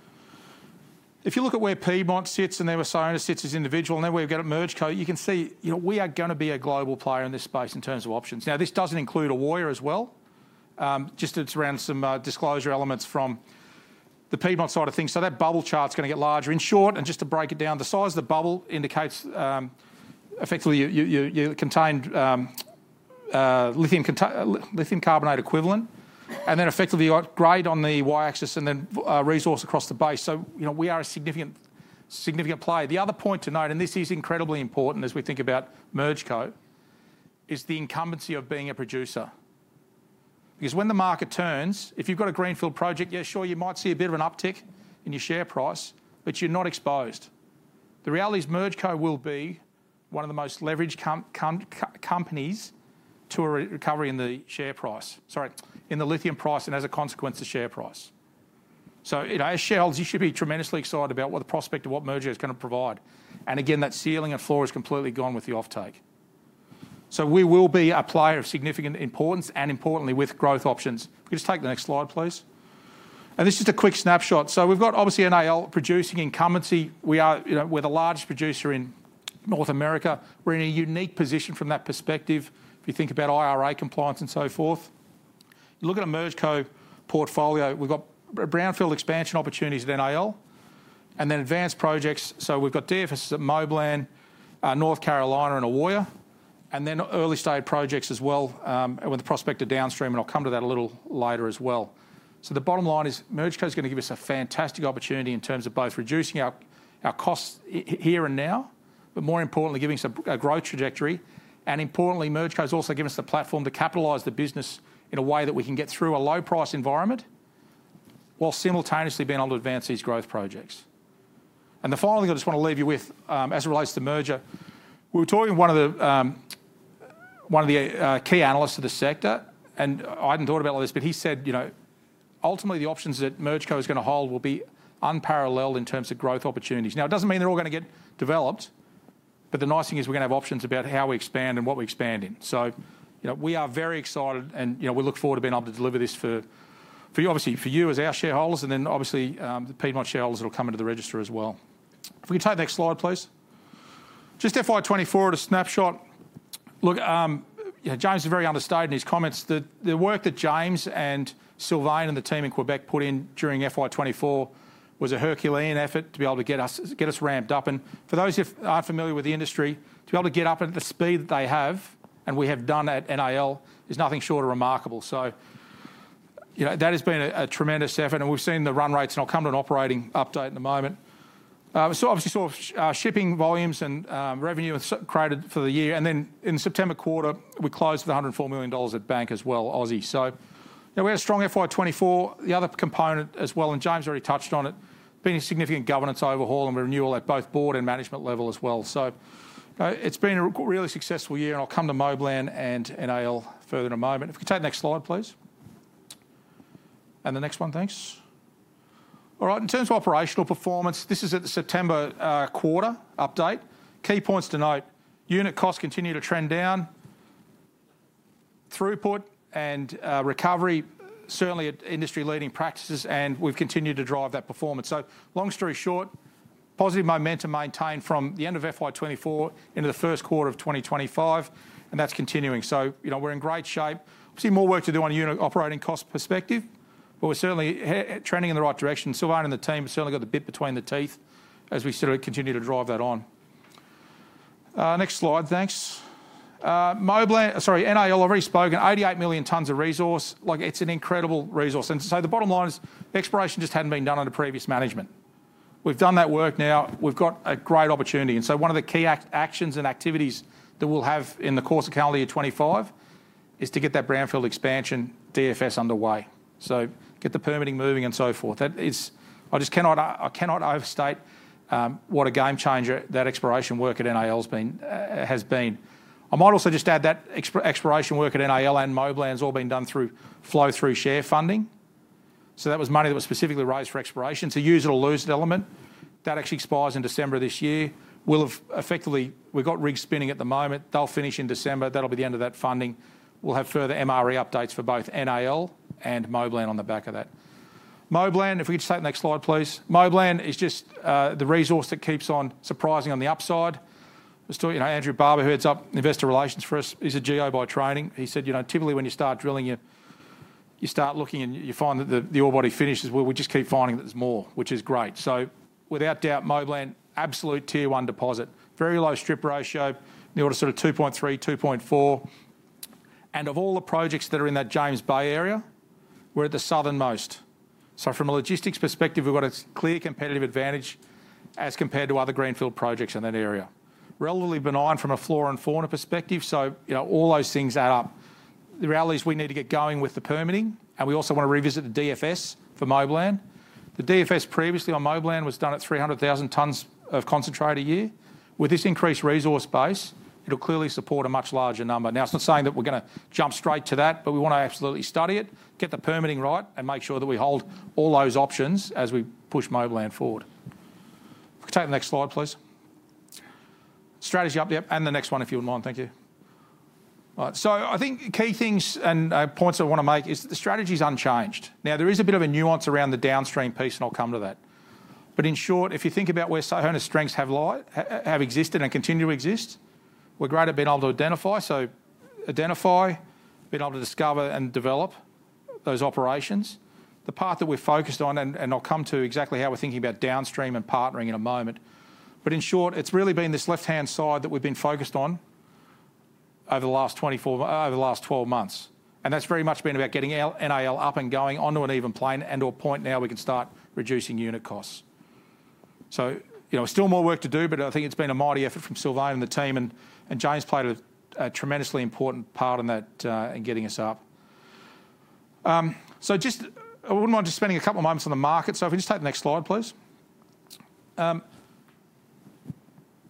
if you look at where Piedmont sits and then where Sayona sits as individual, and then where we get at MergeCo., you can see we are going to be a global player in this space in terms of options. Now, this doesn't include Authier as well. Just it's around some disclosure elements from the Piedmont side of things. So that bubble chart's going to get larger. In short, and just to break it down, the size of the bubble indicates effectively you contain lithium carbonate equivalent. And then effectively you've got grade on the y-axis and then resource across the base. So we are a significant player. The other point to note, and this is incredibly important as we think about MergeCo., is the incumbency of being a producer. Because when the market turns, if you've got a greenfield project, yeah, sure, you might see a bit of an uptick in your share price, but you're not exposed. The reality is MergeCo. will be one of the most leveraged companies to a recovery in the share price, sorry, in the lithium price and as a consequence, the share price. So as shareholders, you should be tremendously excited about what the prospect of what merger is going to provide. And again, that ceiling and floor is completely gone with the offtake. So we will be a player of significant importance and, importantly, with growth options. If we could just take the next slide, please. And this is just a quick snapshot. So we've got obviously NAL producing incumbency. We're the largest producer in North America. We're in a unique position from that perspective if you think about IRA compliance and so forth. You look at a MergeCo. portfolio, we've got brownfield expansion opportunities at NAL and then advanced projects. So we've got DFS at Moblan, North Carolina, and Authier. And then early-stage projects as well with the prospect of downstream, and I'll come to that a little later as well. So the bottom line is MergeCo. is going to give us a fantastic opportunity in terms of both reducing our costs here and now, but more importantly, giving us a growth trajectory. And importantly, MergeCo. has also given us the platform to capitalize the business in a way that we can get through a low-price environment while simultaneously being able to advance these growth projects. And the final thing I just want to leave you with as it relates to merger, we were talking to one of the key analysts of the sector, and I hadn't thought about all this, but he said, "Ultimately, the options that Arcadium Lithium is going to hold will be unparalleled in terms of growth opportunities." Now, it doesn't mean they're all going to get developed, but the nice thing is we're going to have options about how we expand and what we expand in. So we are very excited, and we look forward to being able to deliver this for, obviously, for you as our shareholders and then obviously the Piedmont shareholders that will come into the register as well. If we could take the next slide, please. Just FY24 at a snapshot. Look, James is very understated in his comments. The work that James and Sylvain and the team in Quebec put in during FY24 was a Herculean effort to be able to get us ramped up, and for those who aren't familiar with the industry, to be able to get up at the speed that they have, and we have done at NAL, is nothing short of remarkable, so that has been a tremendous effort, and we've seen the run rates, and I'll come to an operating update in a moment, so obviously, sort of shipping volumes and revenue created for the year, and then in September quarter, we closed with 104 million dollars at bank as well, Aussie, so we had a strong FY24. The other component as well, and James already touched on it, being a significant governance overhaul and renewal at both board and management level as well. So it's been a really successful year, and I'll come to Moblan and NAL further in a moment. If we could take the next slide, please. And the next one, thanks. All right. In terms of operational performance, this is a September quarter update. Key points to note. Unit costs continue to trend down. Throughput and recovery certainly at industry-leading practices, and we've continued to drive that performance. So long story short, positive momentum maintained from the end of FY24 into the first quarter of 2025, and that's continuing. So we're in great shape. Obviously, more work to do on a unit operating cost perspective, but we're certainly trending in the right direction. Sylvain and the team have certainly got the bit between the teeth as we sort of continue to drive that on. Next slide, thanks. Moblan, sorry, NAL, I've already spoken. 88 million tons of resource. Look, it's an incredible resource, and so the bottom line is exploration just hadn't been done under previous management. We've done that work now. We've got a great opportunity, and so one of the key actions and activities that we'll have in the course of calendar year 2025 is to get that brownfield expansion DFS underway, so get the permitting moving and so forth. I just cannot overstate what a game changer that exploration work at NAL has been. I might also just add that exploration work at NAL and Moblan has all been done through flow-through share funding, so that was money that was specifically raised for exploration. It's a use-it-or-lose-it element. That actually expires in December of this year. We've got rigs spinning at the moment. They'll finish in December. That'll be the end of that funding. We'll have further MRE updates for both NAL and Moblan on the back of that. Moblan, if we could just take the next slide, please. Moblan is just the resource that keeps on surprising on the upside. Andrew Barber, who heads up investor relations for us, is a geo by training. He said, "Typically, when you start drilling, you start looking and you find that the ore body finishes, we just keep finding that there's more, which is great." Without doubt, Moblan, absolute tier one deposit. Very low strip ratio. On the order sort of 2.3-2.4. Of all the projects that are in that James Bay area, we're at the southernmost. From a logistics perspective, we've got a clear competitive advantage as compared to other greenfield projects in that area. Relatively benign from a flora and fauna perspective. All those things add up. The reality is we need to get going with the permitting, and we also want to revisit the DFS for Moblan. The DFS previously on Moblan was done at 300,000 tons of concentrate a year. With this increased resource base, it'll clearly support a much larger number. Now, it's not saying that we're going to jump straight to that, but we want to absolutely study it, get the permitting right, and make sure that we hold all those options as we push Moblan forward. If we could take the next slide, please. Strategy update and the next one if you wouldn't mind. Thank you. All right. So I think key things and points I want to make is the strategy is unchanged. Now, there is a bit of a nuance around the downstream piece, and I'll come to that. In short, if you think about where Sayona's strengths have existed and continue to exist, we're great at being able to identify, being able to discover and develop those operations. The path that we're focused on, and I'll come to exactly how we're thinking about downstream and partnering in a moment. In short, it's really been this left-hand side that we've been focused on over the last 12 months. That's very much been about getting NAL up and going onto an even keel and to a point now we can start reducing unit costs. Still more work to do, but I think it's been a mighty effort from Sylvain and the team, and James played a tremendously important part in that in getting us up. I wouldn't mind just spending a couple of moments on the market. So if we just take the next slide, please.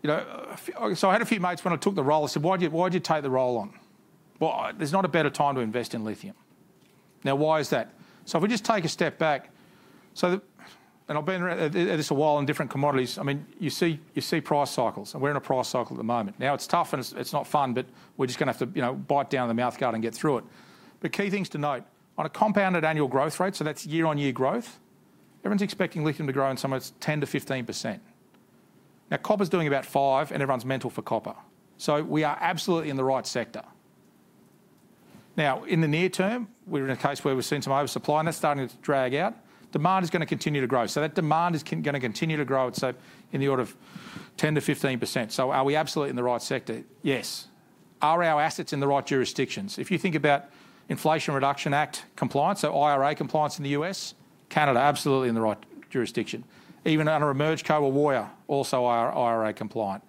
I had a few mates when I took the role. I said, "Why did you take the role on?" There's not a better time to invest in lithium. Now, why is that? If we just take a step back, and I've been at this a while in different commodities, I mean, you see price cycles, and we're in a price cycle at the moment. Now, it's tough, and it's not fun, but we're just going to have to bite down on the mouthguard and get through it. But key things to note, on a compounded annual growth rate, so that's year-on-year growth, everyone's expecting lithium to grow in somewhere 10%-15%. Now, copper's doing about 5%, and everyone's mental for copper. So we are absolutely in the right sector. Now, in the near term, we're in a case where we've seen some oversupply, and that's starting to drag out. Demand is going to continue to grow, so that demand is going to continue to grow, so in the order of 10%-15%. So are we absolutely in the right sector? Yes. Are our assets in the right jurisdictions? If you think about Inflation Reduction Act compliance, so IRA compliance in the U.S., Canada, absolutely in the right jurisdiction. Even under a MergeCo. or Authier, also IRA compliant.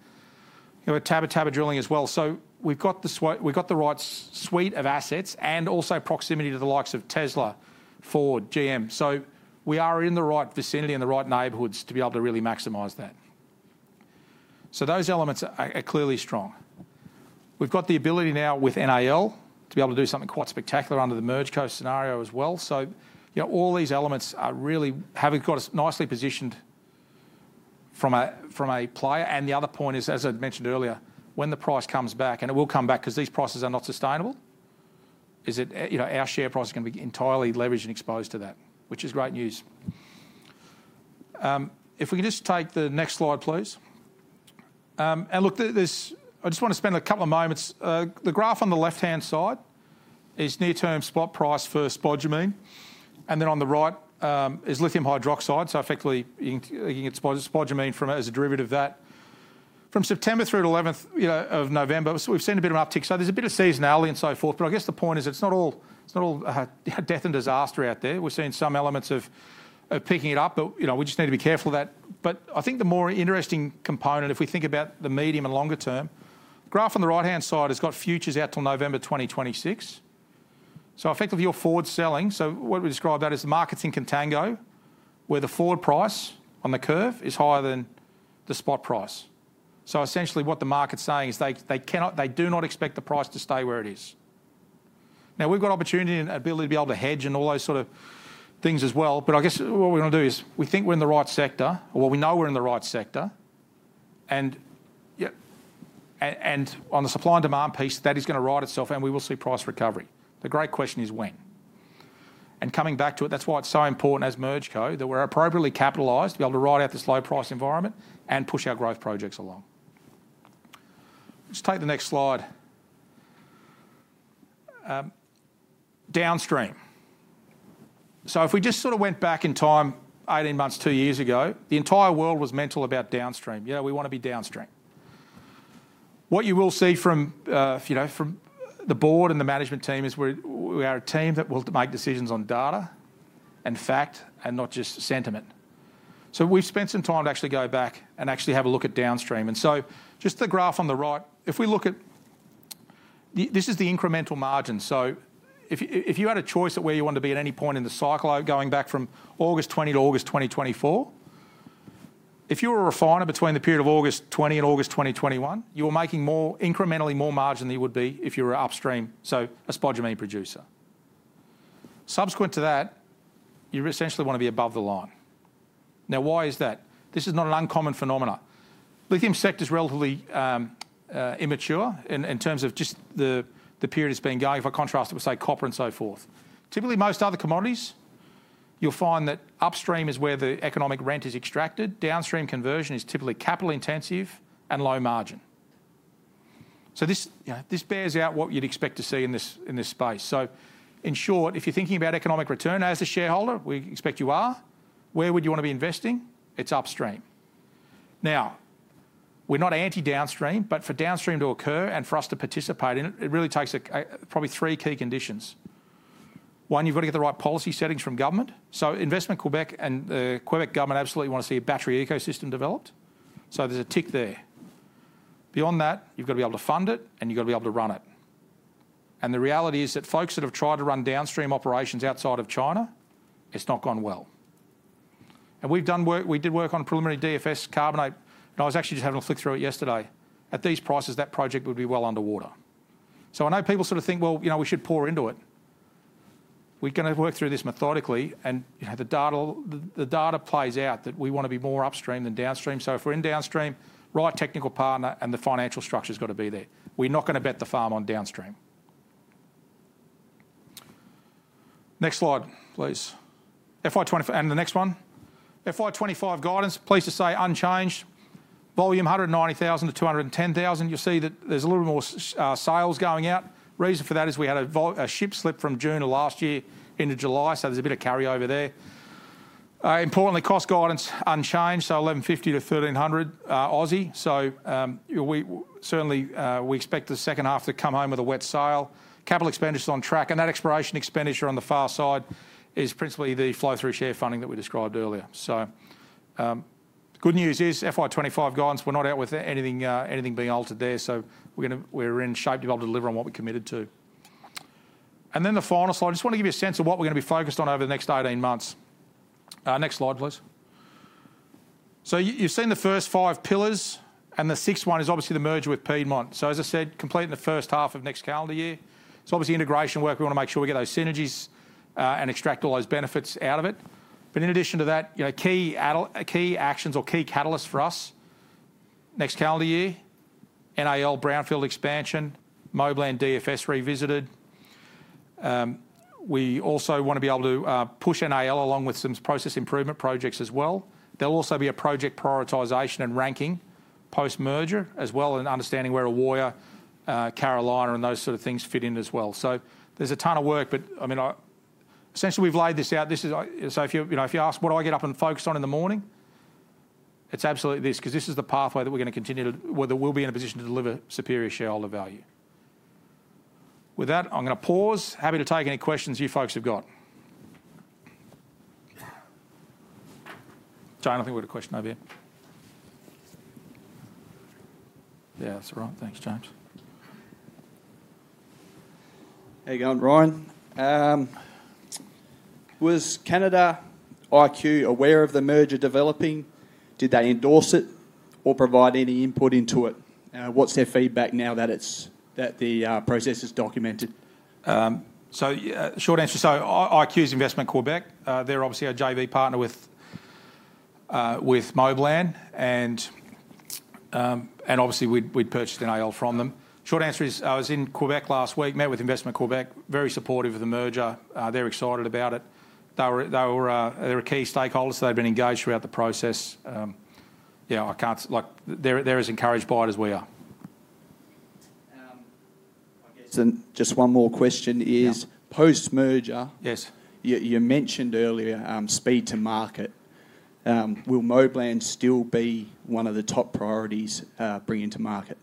We're table-to-table drilling as well. So we've got the right suite of assets and also proximity to the likes of Tesla, Ford, GM. So we are in the right vicinity, in the right neighborhoods to be able to really maximize that. So those elements are clearly strong. We've got the ability now with NAL to be able to do something quite spectacular under the MergeCo. scenario as well, so all these elements are really having got us nicely positioned from a player, and the other point is, as I mentioned earlier, when the price comes back, and it will come back because these prices are not sustainable, is it our share price is going to be entirely leveraged and exposed to that, which is great news. If we could just take the next slide, please, and look, I just want to spend a couple of moments. The graph on the left-hand side is near-term spot price for spodumene, and then on the right is lithium hydroxide. So effectively, you can get spodumene as a derivative of that. From September through the 11th of November, we've seen a bit of an uptick. There's a bit of seasonality and so forth. But I guess the point is it's not all death and disaster out there. We're seeing some elements of picking it up, but we just need to be careful of that. But I think the more interesting component, if we think about the medium and longer term, the graph on the right-hand side has got futures out till November 2026. So effectively, you're forward selling. So what we describe that as the market's in contango, where the forward price on the curve is higher than the spot price. So essentially, what the market's saying is they do not expect the price to stay where it is. Now, we've got opportunity and ability to be able to hedge and all those sort of things as well. But I guess what we're going to do is we think we're in the right sector, or we know we're in the right sector. And on the supply and demand piece, that is going to ride itself, and we will see price recovery. The great question is when. And coming back to it, that's why it's so important as MergeCo. that we're appropriately capitalized, be able to ride out this low-price environment and push our growth projects along. Let's take the next slide. Downstream. So if we just sort of went back in time, 18 months, two years ago, the entire world was mental about downstream. Yeah, we want to be downstream. What you will see from the board and the management team is we are a team that will make decisions on data and fact and not just sentiment. So we've spent some time to actually go back and actually have a look at downstream. And so just the graph on the right, if we look at this is the incremental margin. So if you had a choice at where you wanted to be at any point in the cycle going back from August 2020 to August 2024, if you were a refiner between the period of August 2020 and August 2021, you were making incrementally more margin than you would be if you were an upstream, so a spodumene producer. Subsequent to that, you essentially want to be above the line. Now, why is that? This is not an uncommon phenomena. Lithium sector is relatively immature in terms of just the period it's been going for. Contrast it with, say, copper and so forth. Typically, most other commodities, you'll find that upstream is where the economic rent is extracted. Downstream conversion is typically capital-intensive and low margin. So this bears out what you'd expect to see in this space. So in short, if you're thinking about economic return as a shareholder, we expect you are, where would you want to be investing? It's upstream. Now, we're not anti-downstream, but for downstream to occur and for us to participate in it, it really takes probably three key conditions. One, you've got to get the right policy settings from government. So Investment Quebec and the Quebec government absolutely want to see a battery ecosystem developed. So there's a tick there. Beyond that, you've got to be able to fund it, and you've got to be able to run it. The reality is that folks that have tried to run downstream operations outside of China, it's not gone well. We did work on preliminary DFS carbonate. I was actually just having a flick through it yesterday. At these prices, that project would be well underwater. I know people sort of think, "Well, we should pour into it." We're going to work through this methodically, and the data plays out that we want to be more upstream than downstream. If we're in downstream, right technical partner and the financial structure's got to be there. We're not going to bet the farm on downstream. Next slide, please. The next one. FY25 guidance, please just say unchanged. Volume 190,000-210,000. You'll see that there's a little more sales going out. Reason for that is we had a ship slip from June of last year into July, so there's a bit of carryover there. Importantly, cost guidance unchanged, so 1,150-1,300. So certainly, we expect the second half to come home with a wet sale. Capital expenditure is on track, and that exploration expenditure on the far side is principally the flow-through share funding that we described earlier. So the good news is FY25 guidance, we're not out with anything being altered there, so we're in shape to be able to deliver on what we committed to. And then the final slide, I just want to give you a sense of what we're going to be focused on over the next 18 months. Next slide, please. So you've seen the first five pillars, and the sixth one is obviously the merger with Piedmont. As I said, completing the first half of next calendar year. It's obviously integration work. We want to make sure we get those synergies and extract all those benefits out of it. But in addition to that, key actions or key catalysts for us next calendar year, NAL brownfield expansion, Moblan DFS revisited. We also want to be able to push NAL along with some process improvement projects as well. There'll also be a project prioritization and ranking post-merger as well, and understanding where an Authier, Carolina, and those sort of things fit in as well. So there's a ton of work, but essentially, we've laid this out. So if you ask, "What do I get up and focus on in the morning?" It's absolutely this because this is the pathway that we're going to continue to where we'll be in a position to deliver superior shareholder value. With that, I'm going to pause. Happy to take any questions you folks have got. James, I think we've got a question over here. Yeah, that's all right. Thanks, James. How are you going, Ryan? Was IQ aware of the merger developing? Did they endorse it or provide any input into it? What's their feedback now that the process is documented? So short answer, so IQ is Investment Quebec. They're obviously a JV partner with Moblan, and obviously, we'd purchased NAL from them. Short answer is I was in Quebec last week, met with Investment Quebec, very supportive of the merger. They're excited about it. They were key stakeholders, so they've been engaged throughout the process. Yeah, I can't like they're as encouraged by it as we are. I guess just one more question is post-merger, you mentioned earlier speed to market. Will Moblan still be one of the top priorities bringing to market?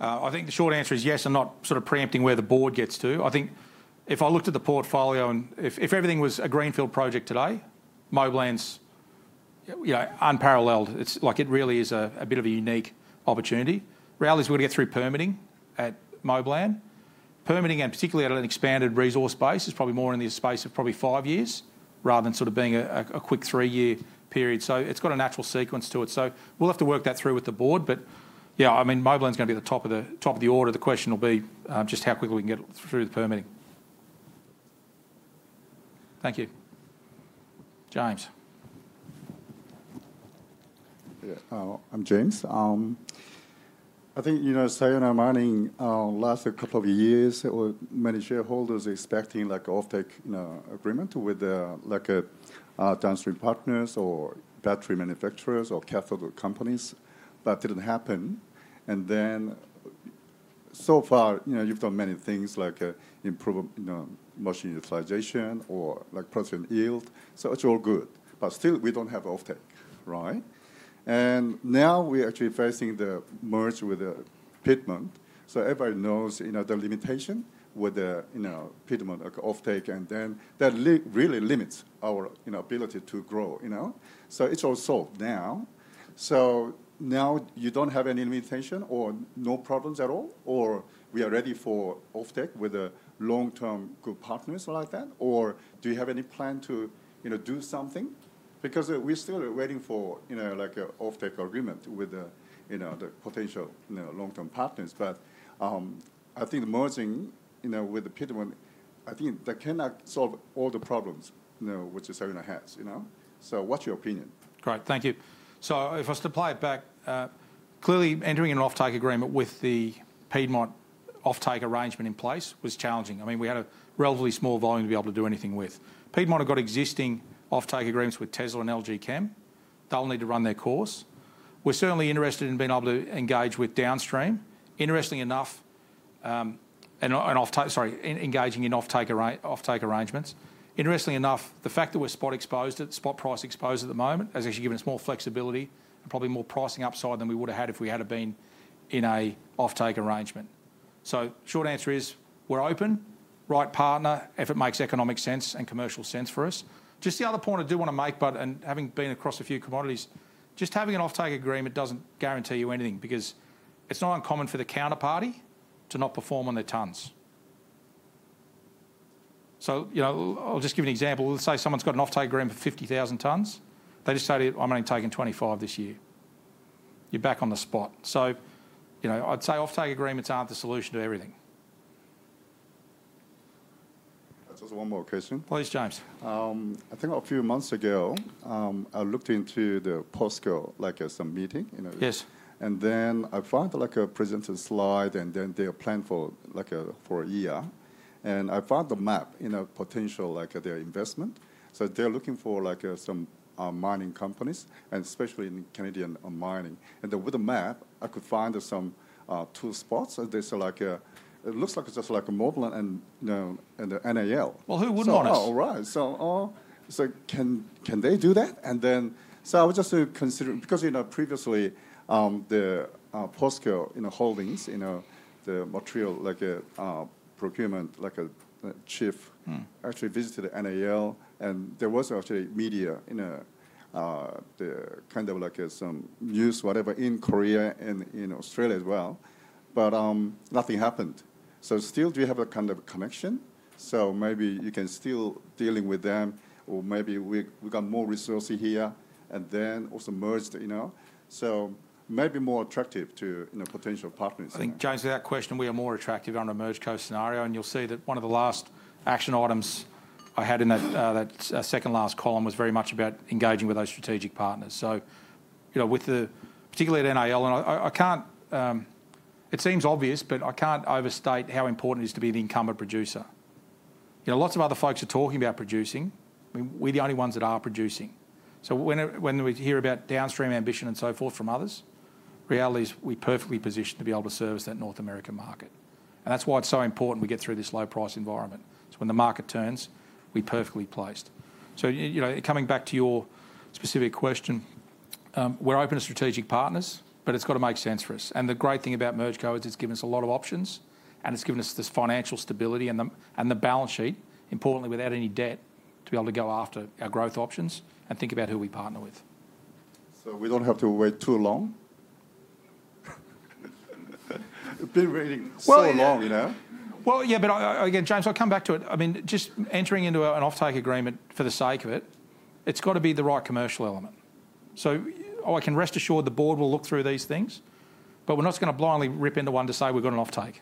I think the short answer is yes, and not sort of preempting where the board gets to. I think if I looked at the portfolio and if everything was a greenfield project today, Moblan's unparalleled. It's like it really is a bit of a unique opportunity. Reality is we're going to get through permitting at Moblan. Permitting, and particularly at an expanded resource base, is probably more in the space of probably five years rather than sort of being a quick three-year period. So it's got a natural sequence to it. So we'll have to work that through with the board. But yeah, I mean, Moblan's going to be at the top of the order. The question will be just how quickly we can get through the permitting. Thank you. James. Yeah, I'm James. I think in the last couple of years, many shareholders expecting offtake agreement with downstream partners or battery manufacturers or chemical companies, but it didn't happen, and then so far, you've done many things like improving motion utilization or production yield, so it's all good, but still, we don't have offtake, right? And now we're actually facing the merger with Piedmont, so everybody knows the limitation with Piedmont offtake, and then that really limits our ability to grow, so it's all solved now, so now you don't have any limitation or no problems at all, or we are ready for offtake with long-term good partners like that, or do you have any plan to do something? Because we're still waiting for an offtake agreement with the potential long-term partners, but I think merging with Piedmont, I think that cannot solve all the problems which Sayona has. So what's your opinion? Great. Thank you. So if I supply it back, clearly entering an offtake agreement with the Piedmont offtake arrangement in place was challenging. I mean, we had a relatively small volume to be able to do anything with. Piedmont have got existing offtake agreements with Tesla and LG Chem. They'll need to run their course. We're certainly interested in being able to engage with downstream. Interesting enough, the fact that we're spot price exposed at the moment has actually given us more flexibility and probably more pricing upside than we would have had if we had been in an offtake arrangement. So short answer is we're open, right partner, if it makes economic sense and commercial sense for us. Just the other point I do want to make, but having been across a few commodities, just having an offtake agreement doesn't guarantee you anything because it's not uncommon for the counterparty to not perform on their tons. So I'll just give you an example. Let's say someone's got an offtake agreement for 50,000 tons. They just say, "I'm only taking 25 this year." You're back on the spot. So I'd say offtake agreements aren't the solution to everything. That's just one more question. Please, James. I think a few months ago, I looked into the post-goal at some meeting. And then I found a presenter slide, and then they are planned for a year. And I found the map in a potential investment. So they're looking for some mining companies, and especially in Canadian mining. And with the map, I could find some two spots. It looks like just like Moblan and NAL. Well, who wouldn't want it? All right. So can they do that? And then so I would just consider because previously, the Posco Holdings, the material procurement chief actually visited NAL, and there was actually media in the kind of some news, whatever, in Korea and in Australia as well. But nothing happened. So still, do you have a kind of connection? So maybe you can still deal with them, or maybe we've got more resources here, and then also merged. So maybe more attractive to potential partners. I think, James, to that question, we are more attractive under a merged co. scenario. And you'll see that one of the last action items I had in that second last column was very much about engaging with those strategic partners. So particularly at NAL, and it seems obvious, but I can't overstate how important it is to be the incumbent producer. Lots of other folks are talking about producing. We're the only ones that are producing. So when we hear about downstream ambition and so forth from others, reality is we're perfectly positioned to be able to service that North American market. And that's why it's so important we get through this low-price environment. So when the market turns, we're perfectly placed. So coming back to your specific question, we're open to strategic partners, but it's got to make sense for us. And the great thing about the merger is it's given us a lot of options, and it's given us this financial stability and the balance sheet, importantly, without any debt to be able to go after our growth options and think about who we partner with. So we don't have to wait too long. It's been waiting so long. Well, yeah, but again, James, I'll come back to it. I mean, just entering into an offtake agreement for the sake of it, it's got to be the right commercial element. So I can rest assured the board will look through these things, but we're not just going to blindly rip into one to say we've got an offtake.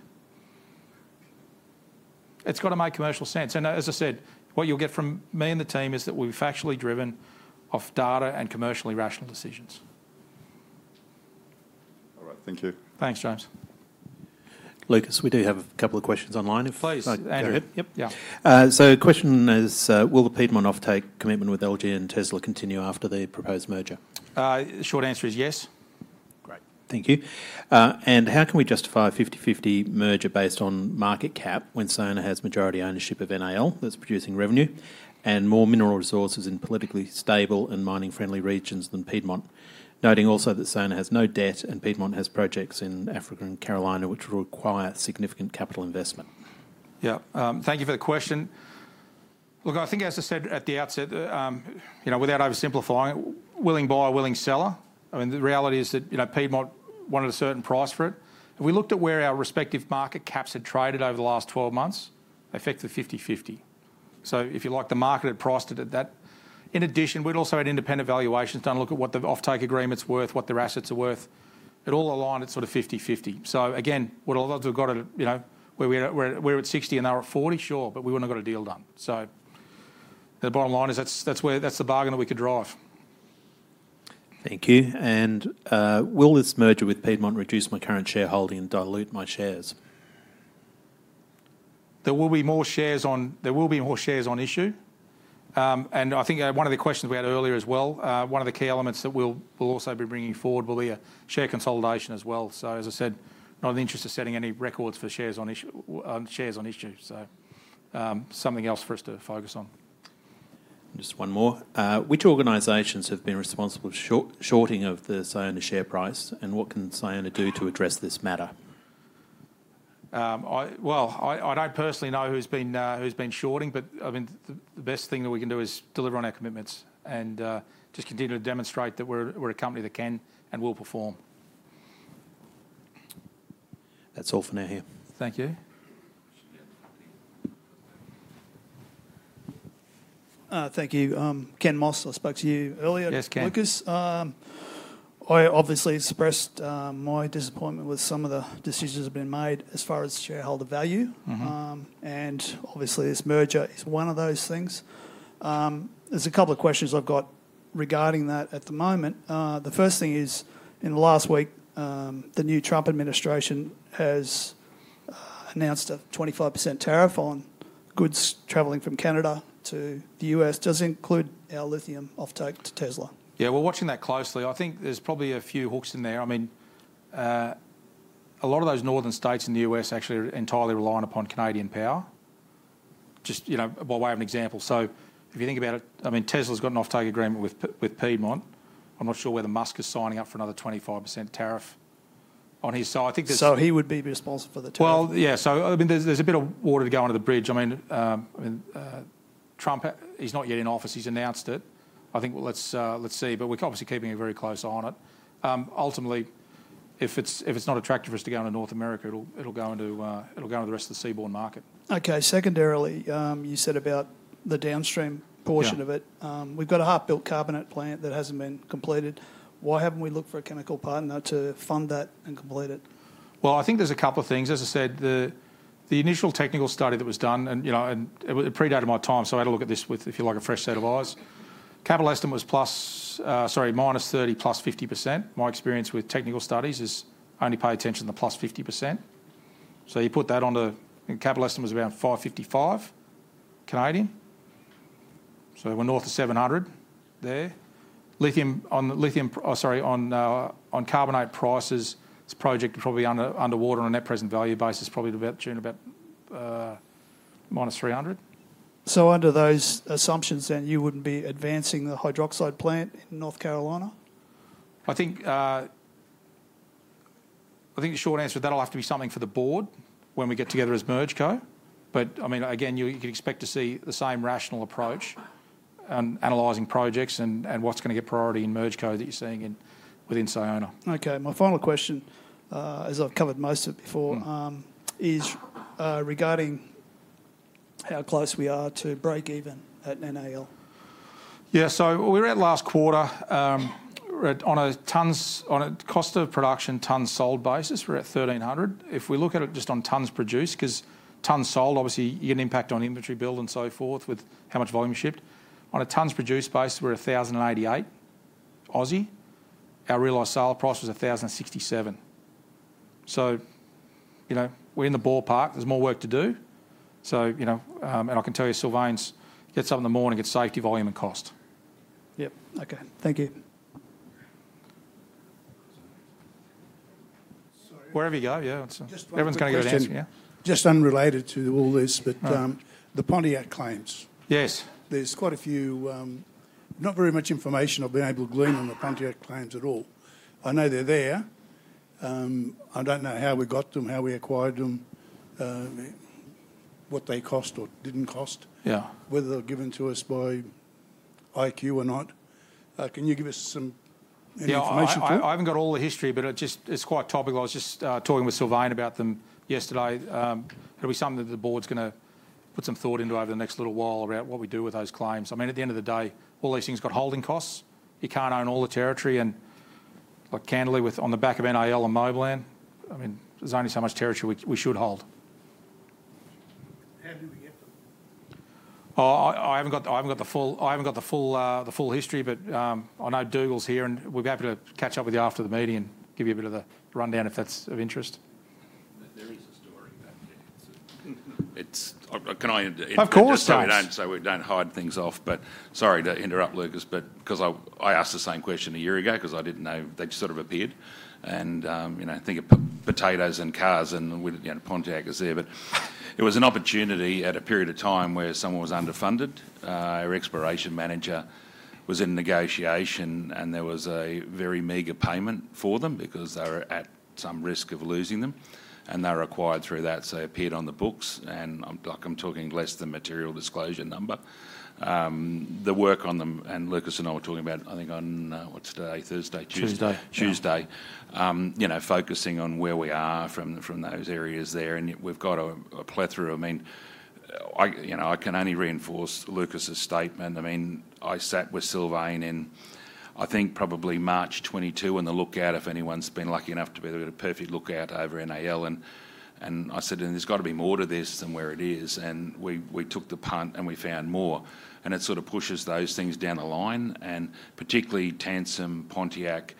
It's got to make commercial sense. And as I said, what you'll get from me and the team is that we're factually driven of data and commercially rational decisions. All right. Thank you. Thanks, James. Lucas, we do have a couple of questions online. Please. Andrew, yep. Yeah. So the question is, will the Piedmont offtake commitment with LG and Tesla continue after the proposed merger? Short answer is yes. Great. Thank you, and how can we justify a 50-50 merger based on market cap when Sayona has majority ownership of NAL that's producing revenue and more mineral resources in politically stable and mining-friendly regions than Piedmont? Noting also that Sayona has no debt and Piedmont has projects in Africa and North Carolina which would require significant capital investment. Yeah. Thank you for the question. Look, I think, as I said at the outset, without oversimplifying, willing buyer, willing seller. I mean, the reality is that Piedmont wanted a certain price for it. If we looked at where our respective market caps had traded over the last 12 months, they fit the 50-50. So if you like the market, it priced it at that. In addition, we'd also had independent valuations done, look at what the offtake agreement's worth, what their assets are worth. It all aligned at sort of 50-50. So again, what a lot of us have got to where we're at 60 and they're at 40, sure, but we wouldn't have got a deal done. So the bottom line is that's the bargain that we could drive. Thank you. And will this merger with Piedmont reduce my current shareholding and dilute my shares? There will be more shares on issue. And I think one of the questions we had earlier as well, one of the key elements that we'll also be bringing forward will be a share consolidation as well. So as I said, not in the interest of setting any records for shares on issue. So something else for us to focus on. Just one more. Which organizations have been responsible for shorting of the Sayona share price, and what can Sayona do to address this matter? Well, I don't personally know who's been shorting, but I mean, the best thing that we can do is deliver on our commitments and just continue to demonstrate that we're a company that can and will perform. That's all for now here. Thank you. Ken Moss, I spoke to you earlier. Yes, Ken. Lucas, I obviously expressed my disappointment with some of the decisions that have been made as far as shareholder value. And obviously, this merger is one of those things. There's a couple of questions I've got regarding that at the moment. The first thing is, in the last week, the new Trump administration has announced a 25% tariff on goods traveling from Canada to the US. Does it include our lithium offtake to Tesla? Yeah, we're watching that closely. I think there's probably a few hooks in there. I mean, a lot of those northern states in the U.S. actually are entirely reliant upon Canadian power. Just by way of an example. So if you think about it, I mean, Tesla's got an offtake agreement with Piedmont. I'm not sure whether Musk is signing up for another 25% tariff on his side. I think there's. So he would be responsible for the tariff. Well, yeah. So I mean, there's a bit of water to go under the bridge. I mean, Trump, he's not yet in office. He's announced it. I think let's see. But we're obviously keeping a very close eye on it. Ultimately, if it's not attractive for us to go into North America, it'll go into the rest of the seaboard market. Okay. Secondarily, you said about the downstream portion of it. We've got a half-built carbonate plant that hasn't been completed. Why haven't we looked for a chemical partner to fund that and complete it? Well, I think there's a couple of things. As I said, the initial technical study that was done, and it predated my time, so I had to look at this with, if you like, a fresh set of eyes. Capital estimate was plus sorry, minus 30%, plus 50%. My experience with technical studies is only pay attention to the plus 50%. So you put that onto capital estimate was around 555. So we're north of 700 there. Lithium, sorry, on carbonate prices, this project is probably underwater on a net present value basis, probably during about minus 300. So under those assumptions, then you wouldn't be advancing the hydroxide plant in North Carolina? I think the short answer to that will have to be something for the board when we get together as merge co. But I mean, again, you can expect to see the same rational approach and analyzing projects and what's going to get priority in merged co that you're seeing within Sayona. Okay. My final question, as I've covered most of it before, is regarding how close we are to break even at NAL. Yeah. So we're at last quarter on a cost of production tons sold basis. We're at 1,300. If we look at it just on tons produced, because tons sold, obviously, you get an impact on inventory build and so forth with how much volume shipped. On a tons produced basis, we're 1,088. Our realized sale price was 1,067. So we're in the ballpark. There's more work to do. And I can tell you Sylvain gets up in the morning, gets safety volume and cost. Yep. Okay. Thank you. Wherever you go, yeah. Everyone's going to get an answer. Just unrelated to all this, but the Pontiac Claims. Yes. There's quite a few not very much information I've been able to glean on the Pontiac Claims at all. I know they're there. I don't know how we got them, how we acquired them, what they cost or didn't cost, whether they're given to us by IQ or not. Can you give us some information? Yeah. I haven't got all the history, but it's quite topical. I was just talking with Sylvain about them yesterday. It'll be something that the board's going to put some thought into over the next little while around what we do with those claims. I mean, at the end of the day, all these things got holding costs. You can't own all the territory. And like Candler, on the back of NAL and Moblan, I mean, there's only so much territory we should hold. How did we get them? I haven't got the full history, but I know Dougal's here, and we'll be happy to catch up with you after the meeting and give you a bit of the rundown if that's of interest. There is a story back there. Can I interject? Of course, James. So we don't hide things off. But sorry to interrupt, Lucas, because I asked the same question a year ago because I didn't know. They just sort of appeared. And I think of potatoes and cars and Pontiac is there. But it was an opportunity at a period of time where someone was underfunded. Our exploration manager was in negotiation, and there was a very meager payment for them because they were at some risk of losing them. They were acquired through that, so it appeared on the books. I'm talking less than material disclosure number. The work on them, and Lucas and I were talking about, I think on what's today? Thursday. Tuesday. Focusing on where we are from those areas there. We've got a plethora. I mean, I can only reinforce Lucas's statement. I mean, I sat with Sylvain in, I think, probably March 2022 in the lookout, if anyone's been lucky enough to be able to get a perfect lookout over NAL. I said, "There's got to be more to this than where it is." We took the punt and we found more. It sort of pushes those things down the line, and particularly Tansim Pontiac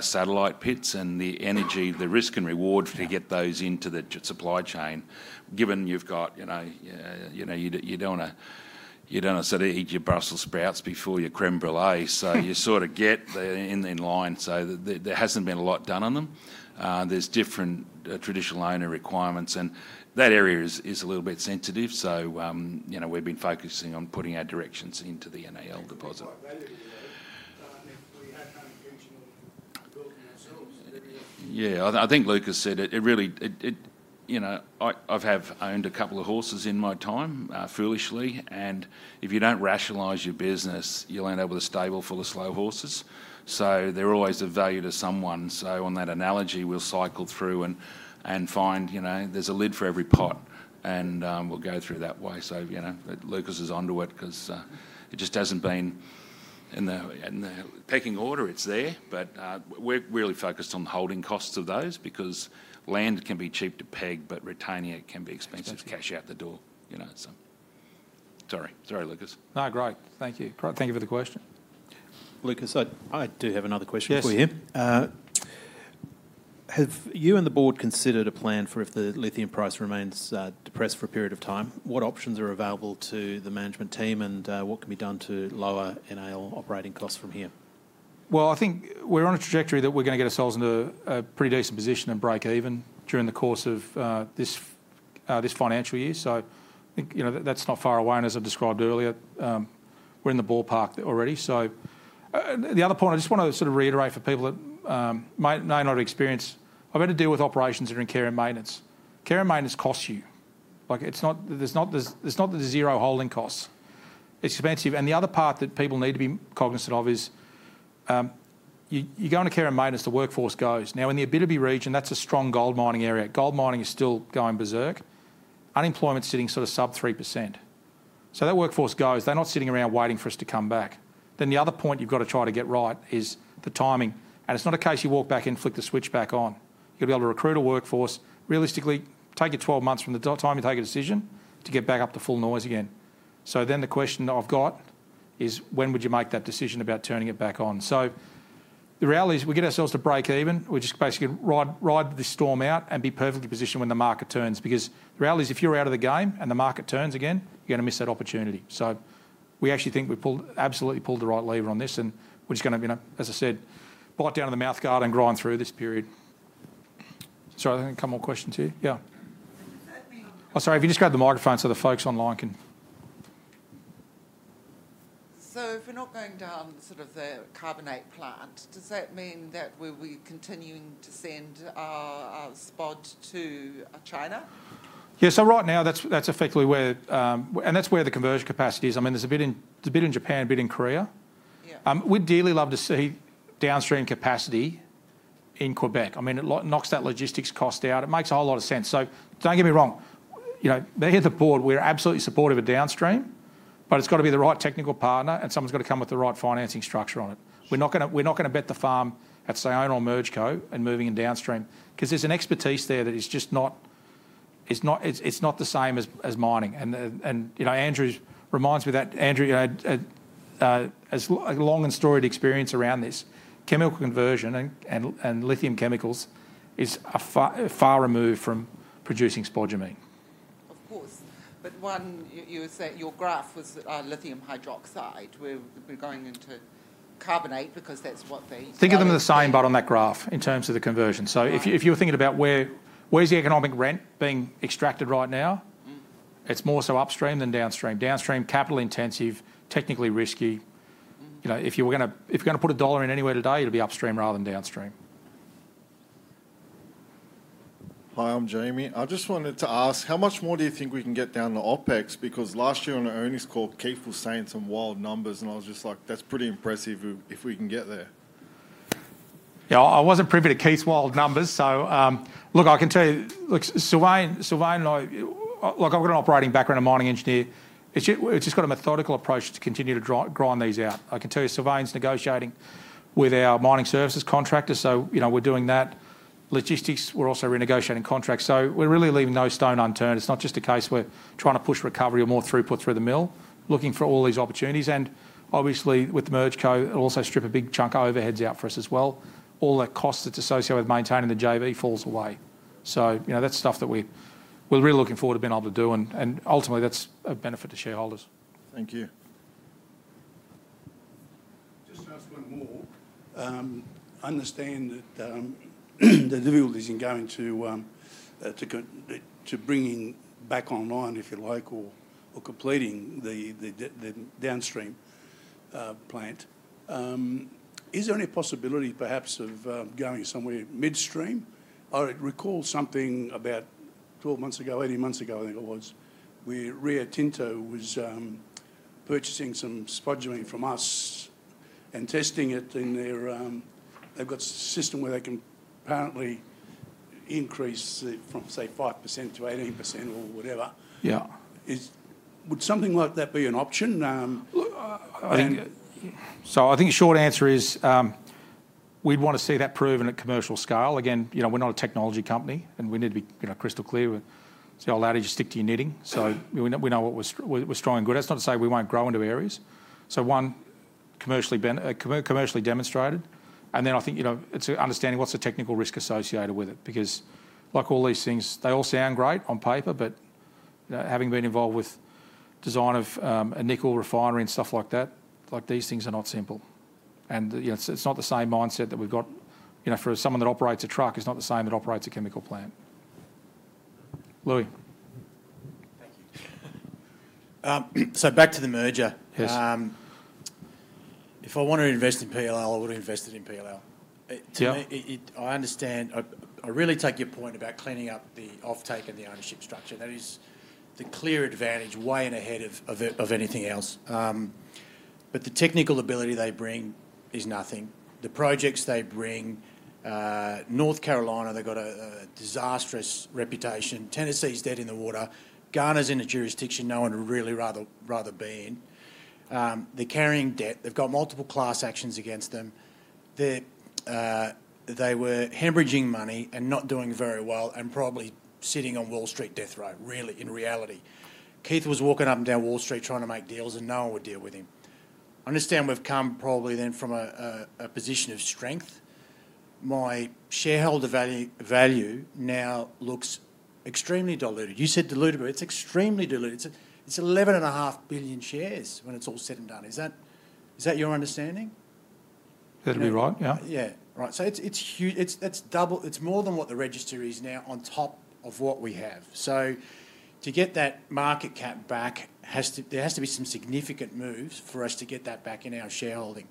satellite pits and the energy, the risk and reward to get those into the supply chain, given you've got you don't want to sort of eat your Brussels sprouts before your crème brûlée. So you sort of get in line. So there hasn't been a lot done on them. There's different traditional owner requirements. And that area is a little bit sensitive. So we've been focusing on putting our directions into the NAL deposit. Yeah. I think Lucas said it. I have owned a couple of horses in my time, foolishly. And if you don't rationalize your business, you'll only have a stable full of slow horses. So they're always of value to someone. So on that analogy, we'll cycle through and find there's a lid for every pot. And we'll go through that way. Lucas is onto it because it just hasn't been in the pecking order. It's there. But we're really focused on holding costs of those because land can be cheap to peg, but retaining it can be expensive to cash out the door. Sorry. Sorry, Lucas. No, great. Thank you. Thank you for the question. Lucas, I do have another question for you. Yes. Have you and the board considered a plan for if the lithium price remains depressed for a period of time? What options are available to the management team, and what can be done to lower NAL operating costs from here? Well, I think we're on a trajectory that we're going to get ourselves into a pretty decent position and break even during the course of this financial year. So I think that's not far away. And as I described earlier, we're in the ballpark already. So the other point, I just want to sort of reiterate for people that may not have experience. I've had to deal with operations that are in care and maintenance. Care and maintenance costs you. There's not the zero holding costs. It's expensive. And the other part that people need to be cognizant of is you go into care and maintenance, the workforce goes. Now, in the Abitibi region, that's a strong gold mining area. Gold mining is still going berserk. Unemployment's sitting sort of sub 3%. So that workforce goes. They're not sitting around waiting for us to come back. Then the other point you've got to try to get right is the timing. And it's not a case you walk back in and flick the switch back on. You've got to be able to recruit a workforce. Realistically, take your 12 months from the time you take a decision to get back up to full noise again. So then the question I've got is, when would you make that decision about turning it back on? So the reality is we get ourselves to break even. We just basically ride this storm out and be perfectly positioned when the market turns because the reality is if you're out of the game and the market turns again, you're going to miss that opportunity. So we actually think we've absolutely pulled the right lever on this. And we're just going to, as I said, bite down on the mouthguard and grind through this period. Sorry, I think a couple more questions here. Yeah. Sorry, if you just grab the microphone so the folks online can. So if we're not going down sort of the carbonate plant, does that mean that we'll be continuing to send our spod to China? Yeah. So right now, that's effectively where, and that's where the conversion capacity is. I mean, there's a bit in Japan, a bit in Korea. We'd dearly love to see downstream capacity in Quebec. I mean, it knocks that logistics cost out. It makes a whole lot of sense. So don't get me wrong. At the board, we're absolutely supportive of downstream, but it's got to be the right technical partner, and someone's got to come with the right financing structure on it. We're not going to bet the farm at Sayona or MergCo and moving downstream because there's an expertise there that is just not, it's not the same as mining. Andrew reminds me that Andrew has a long and storied experience around this. Chemical conversion and lithium chemicals is far removed from producing spodumene. Of course. One, you were saying your graph was lithium hydroxide. We're going into carbonate because that's what they. Think of them the same, but on that graph in terms of the conversion. So if you were thinking about where's the economic rent being extracted right now, it's more so upstream than downstream. Downstream, capital-intensive, technically risky. If you were going to put a dollar in anywhere today, it'll be upstream rather than downstream. Hi, I'm Jamie. I just wanted to ask, how much more do you think we can get down to OpEx? Because last year, on an earnings call, Keith was saying some wild numbers, and I was just like, "That's pretty impressive if we can get there." Yeah, I wasn't privy to Keith's wild numbers. So look, I can tell you, Sylvain and I look, I've got an operating background. I'm a mining engineer. It's just got a methodical approach to continue to grind these out. I can tell you, Sylvain's negotiating with our mining services contractor. So we're doing that. Logistics, we're also renegotiating contracts. So we're really leaving no stone unturned. It's not just a case where trying to push recovery or more throughput through the mill, looking for all these opportunities. And obviously, with MergeCo, it'll also strip a big chunk of overheads out for us as well. All that cost that's associated with maintaining the JV falls away. So that's stuff that we're really looking forward to being able to do. And ultimately, that's a benefit to shareholders. Thank you. Just ask one more. I understand that the difficulty is in bringing back online, if you like, or completing the downstream plant. Is there any possibility, perhaps, of going somewhere midstream? I recall something about 12 months ago, 18 months ago, I think it was, where Rio Tinto was purchasing some spodumene from us and testing it in their. They've got a system where they can apparently increase from, say, 5% to 18% or whatever. Yeah. Would something like that be an option? Look, I think the short answer is we'd want to see that proven at commercial scale. Again, we're not a technology company, and we need to be crystal clear. It's the old adage, "Stick to your knitting." So we know what we're strong and good at. That's not to say we won't grow into areas. So one, commercially demonstrated. And then I think it's understanding what's the technical risk associated with it because like all these things, they all sound great on paper, but having been involved with the design of a nickel refinery and stuff like that, these things are not simple. And it's not the same mindset that we've got for someone that operates a truck is not the same that operates a chemical plant. Lucas. Thank you. So back to the merger. If I wanted to invest in PLL, I would have invested in PLL. I understand. I really take your point about cleaning up the offtake and the ownership structure. That is the clear advantage, way in ahead of anything else. But the technical ability they bring is nothing. The projects they bring, North Carolina, they've got a disastrous reputation. Tennessee's dead in the water. Ghana's in a jurisdiction no one would really rather be in. They're carrying debt. They've got multiple class actions against them. They were hemorrhaging money and not doing very well and probably sitting on Wall Street death row, really, in reality. Keith was walking up and down Wall Street trying to make deals, and no one would deal with him. I understand we've come probably then from a position of strength. My shareholder value now looks extremely diluted. You said diluted, but it's extremely diluted. It's 11.5 billion shares when it's all said and done. Is that your understanding? That'd be right, yeah. Yeah. Right. So it's more than what the register is now on top of what we have. So to get that market cap back, there has to be some significant moves for us to get that back in our shareholding.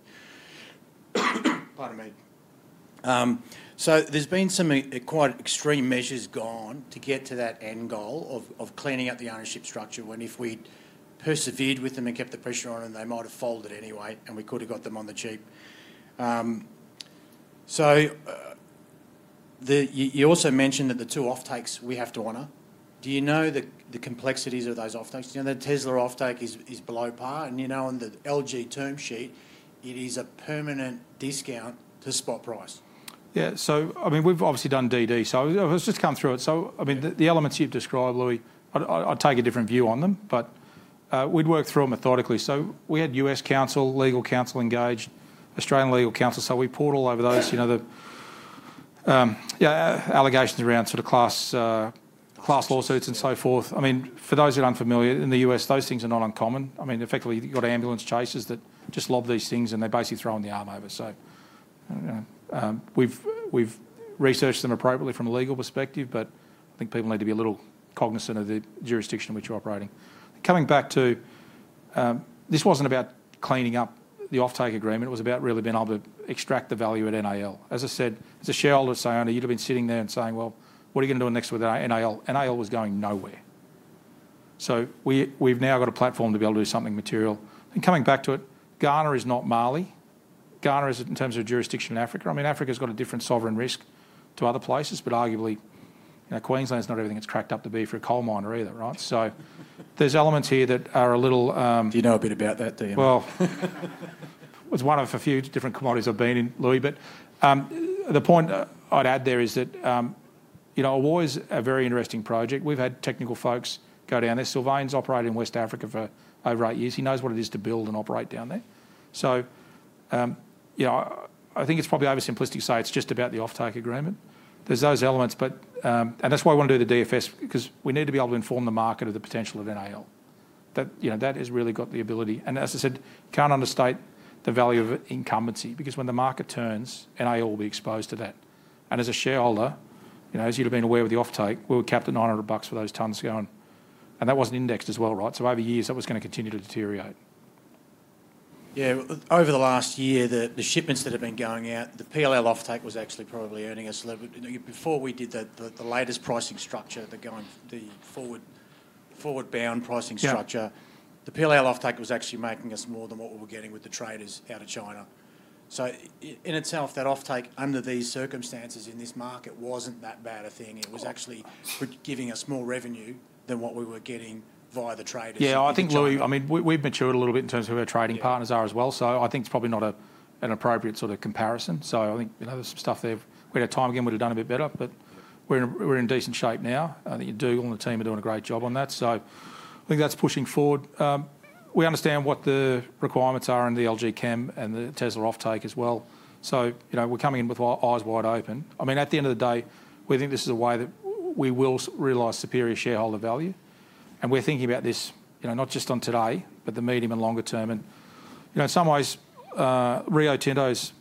Pardon me. So there's been some quite extreme measures gone to get to that end goal of cleaning up the ownership structure when if we persevered with them and kept the pressure on, they might have folded anyway, and we could have got them on the cheap. So you also mentioned that the two offtakes we have to honor. Do you know the complexities of those offtakes? You know, the Tesla offtake is below par, and on the LG term sheet, it is a permanent discount to spot price. Yeah. So I mean, we've obviously done DD. So I've just come through it. So I mean, the elements you've described, Lucas, I'd take a different view on them, but we'd worked through them methodically. We had U.S. counsel, legal counsel engaged, Australian legal counsel. We poured all over those, the allegations around sort of class lawsuits and so forth. I mean, for those who are unfamiliar, in the U.S., those things are not uncommon. I mean, effectively, you've got ambulance chasers that just lob these things, and they basically throw them at the wall. We've researched them appropriately from a legal perspective, but I think people need to be a little cognizant of the jurisdiction in which you're operating. Coming back to this wasn't about cleaning up the offtake agreement. It was about really being able to extract the value at NAL. As I said, as a shareholder at Sayona, you'd have been sitting there and saying, "Well, what are you going to do next with NAL?" NAL was going nowhere. So we've now got a platform to be able to do something material. And coming back to it, Ghana is not Mali. Ghana is, in terms of jurisdiction, in Africa. I mean, Africa's got a different sovereign risk to other places, but arguably, Queensland's not everything it's cracked up to be for a coal miner either, right? So there's elements here that are a little. Do you know a bit about that, DM? Well, it's one of a few different commodities I've been in, Lucas. But the point I'd add there is that Ewoyaa is a very interesting project. We've had technical folks go down there. Sylvain's operated in West Africa for over eight years. He knows what it is to build and operate down there. So I think it's probably oversimplistic to say it's just about the offtake agreement. There's those elements. That's why we want to do the DFS because we need to be able to inform the market of the potential of NAL. That has really got the ability. As I said, you can't understate the value of incumbency because when the market turns, NAL will be exposed to that. As a shareholder, as you'd have been aware with the offtake, we were capped at 900 bucks for those tonnes going. And that wasn't indexed as well, right? So over years, that was going to continue to deteriorate. Yeah. Over the last year, the shipments that have been going out, the PLL offtake was actually probably earning us a little bit before we did the latest pricing structure, the formula-bound pricing structure. The PLL offtake was actually making us more than what we were getting with the traders out of China. So in itself, that offtake under these circumstances in this market wasn't that bad a thing. It was actually giving us more revenue than what we were getting via the traders. Yeah. I think, Lucas, I mean, we've matured a little bit in terms of who our trading partners are as well. So I think it's probably not an appropriate sort of comparison. So I think there's some stuff there. We had a time when we'd have done a bit better, but we're in decent shape now. I think Dougal and the team are doing a great job on that. So I think that's pushing forward. We understand what the requirements are in the LG Chem and the Tesla offtake as well. So we're coming in with our eyes wide open. I mean, at the end of the day, we think this is a way that we will realize superior shareholder value. And we're thinking about this not just on today, but the medium and longer term. And in some ways, Rio Tinto's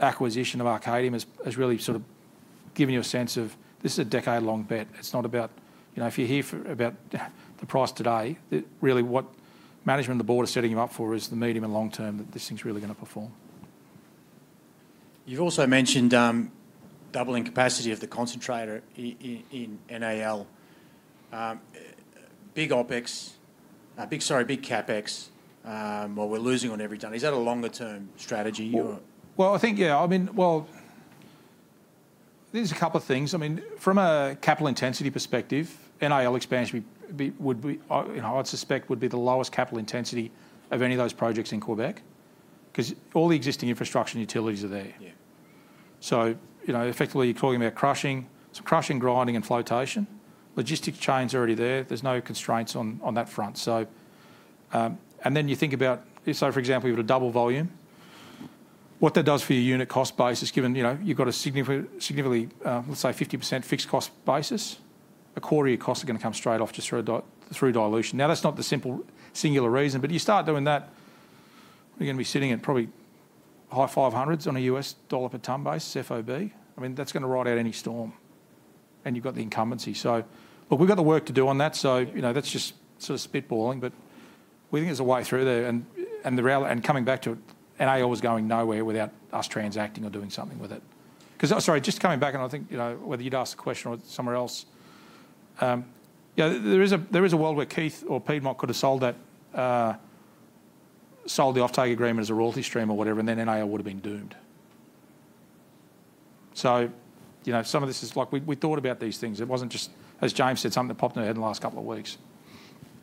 acquisition of Arcadium has really sort of given you a sense of this is a decade-long bet. It's not about if you hear about the price today, really what management and the board are setting you up for is the medium and long term that this thing's really going to perform. You've also mentioned doubling capacity of the concentrator in NAL. Big OpEx, sorry, big CapEx, where we're losing on every tonne. Is that a longer-term strategy or? Well, I think, yeah. I mean, well, there's a couple of things. I mean, from a capital intensity perspective, NAL expansion would be, I'd suspect, would be the lowest capital intensity of any of those projects in Quebec because all the existing infrastructure and utilities are there. So effectively, you're talking about crushing, some crushing, grinding, and flotation. Logistics chain's already there. There's no constraints on that front. And then you think about, so for example, you've got a double volume. What that does for your unit cost basis, given you've got a significantly, let's say, 50% fixed cost basis, a quarter of your costs are going to come straight off just through dilution. Now, that's not the simple singular reason, but you start doing that, you're going to be sitting at probably high 500s on a US dollar per ton base, C1 FOB. I mean, that's going to ride out any storm. And you've got the incumbency. So look, we've got the work to do on that. So that's just sort of spitballing, but we think there's a way through there. And coming back to it, NAL was going nowhere without us transacting or doing something with it. Sorry, just coming back, and I think whether you'd asked the question or somewhere else, there is a world where Keith or Piedmont could have sold the offtake agreement as a royalty stream or whatever, and then NAL would have been doomed. So some of this is like we thought about these things. It wasn't just, as James said, something that popped in our head in the last couple of weeks.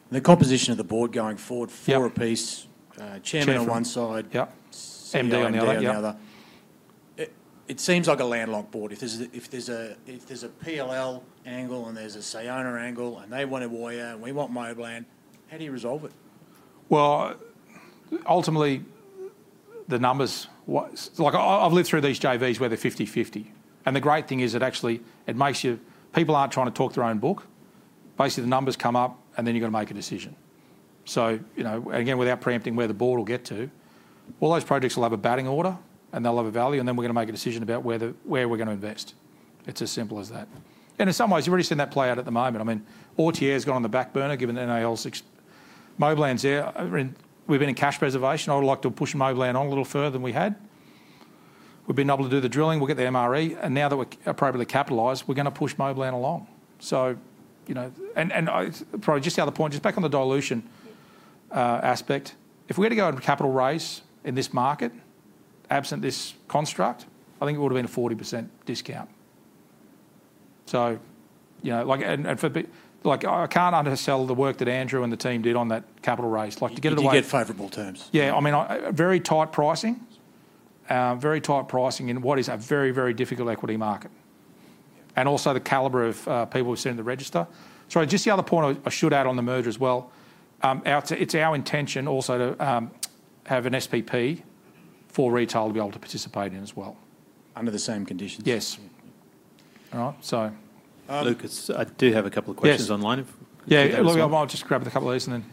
The composition of the board going forward, four apiece, chairman on one side, MD on the other hand. It seems like a landlocked board. If there's a PLL angle and there's a Sayona angle and they want Authier and we want Moblan, how do you resolve it? Well, ultimately, the numbers I've lived through these JVs where they're 50-50. And the great thing is it actually makes you people aren't trying to talk their own book. Basically, the numbers come up, and then you've got to make a decision. So again, without preempting where the board will get to, all those projects will have a batting order, and they'll have a value, and then we're going to make a decision about where we're going to invest. It's as simple as that. And in some ways, you've already seen that play out at the moment. I mean, Authier's gone on the back burner given NAL's Moblan's there. We've been in cash preservation. I would like to push Moblan on a little further than we had. We've been able to do the drilling. We'll get the MRE, and now that we're appropriately capitalized, we're going to push Moblan along, and probably just the other point, just back on the dilution aspect, if we were to go and capital raise in this market, absent this construct, I think it would have been a 40% discount. So I can't undersell the work that Andrew and the team did on that capital raise. To get it away, you get favorable terms. Yeah. I mean, very tight pricing, very tight pricing in what is a very, very difficult equity market, and also the caliber of people who sit in the register. Sorry, just the other point I should add on the merger as well, it's our intention also to have an SPP for retail to be able to participate in as well. Under the same conditions. Yes. All right. So Lucas, I do have a couple of questions online. Yeah. Look, I might just grab a couple of these and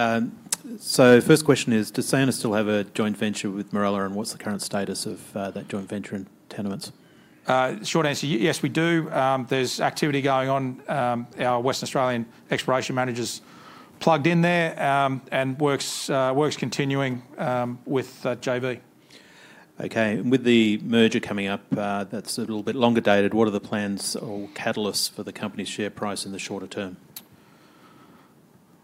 then. So first question is, does Sayona still have a joint venture with Morella, and what's the current status of that joint venture in tenements? Short answer, yes, we do. There's activity going on. Our Western Australian exploration manager's plugged in there and works continuing with JV. Okay. With the merger coming up that's a little bit longer dated, what are the plans or catalysts for the company's share price in the shorter term?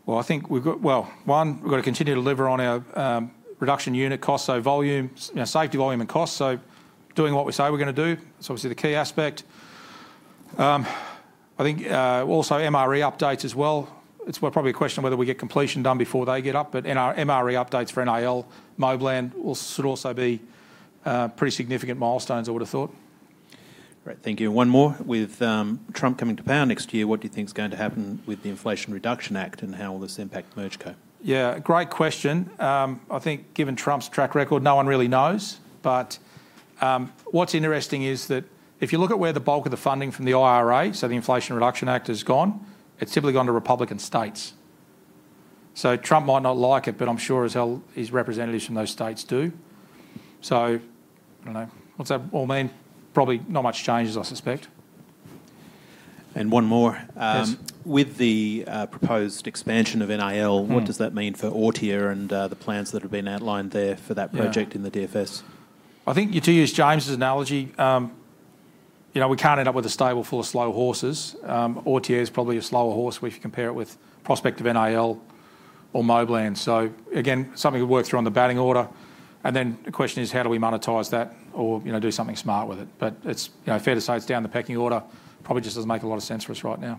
Well, I think we've got one, we've got to continue to deliver on our reduction unit costs, so volume, safety volume and costs. So doing what we say we're going to do, that's obviously the key aspect. I think also MRE updates as well. It's probably a question of whether we get completion done before they get up, but MRE updates for NAL, Moblan should also be pretty significant milestones I would have thought. Great. Thank you. And one more. With Trump coming to power next year, what do you think's going to happen with the Inflation Reduction Act and how will this impact merge co? Yeah. Great question. I think given Trump's track record, no one really knows. But what's interesting is that if you look at where the bulk of the funding from the IRA, so the Inflation Reduction Act has gone, it's simply gone to Republican states. So Trump might not like it, but I'm sure his representatives from those states do. So I don't know. What's that all mean? Probably not much changes, I suspect. And one more. With the proposed expansion of NAL, what does that mean for Authier and the plans that have been outlined there for that project in the DFS? I think you do use James's analogy. We can't end up with a stable full of slow horses. Authier is probably a slower horse if we compare it with prospective NAL or Moblan. So again, something we've worked through on the batting order. And then the question is, how do we monetize that or do something smart with it? But fair to say it's down the pecking order. Probably just doesn't make a lot of sense for us right now.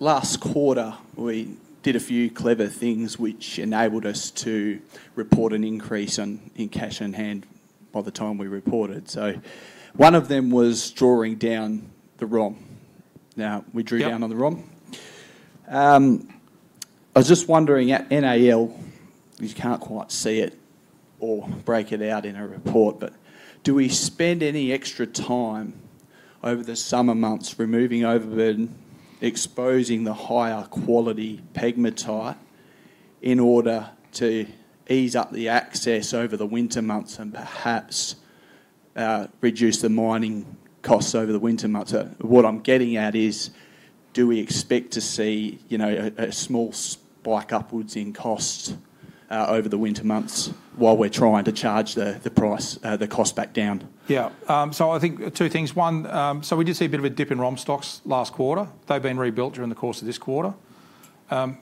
Last quarter, we did a few clever things which enabled us to report an increase in cash in hand by the time we reported. So one of them was drawing down the ROM. Now, we drew down on the ROM. I was just wondering, at NAL, you can't quite see it or break it out in a report, but do we spend any extra time over the summer months removing overburden, exposing the higher quality pegmatite in order to ease up the access over the winter months and perhaps reduce the mining costs over the winter months? What I'm getting at is, do we expect to see a small spike upwards in costs over the winter months while we're trying to charge the cost back down? Yeah. So I think two things. One, so we did see a bit of a dip in ROM stocks last quarter. They've been rebuilt during the course of this quarter.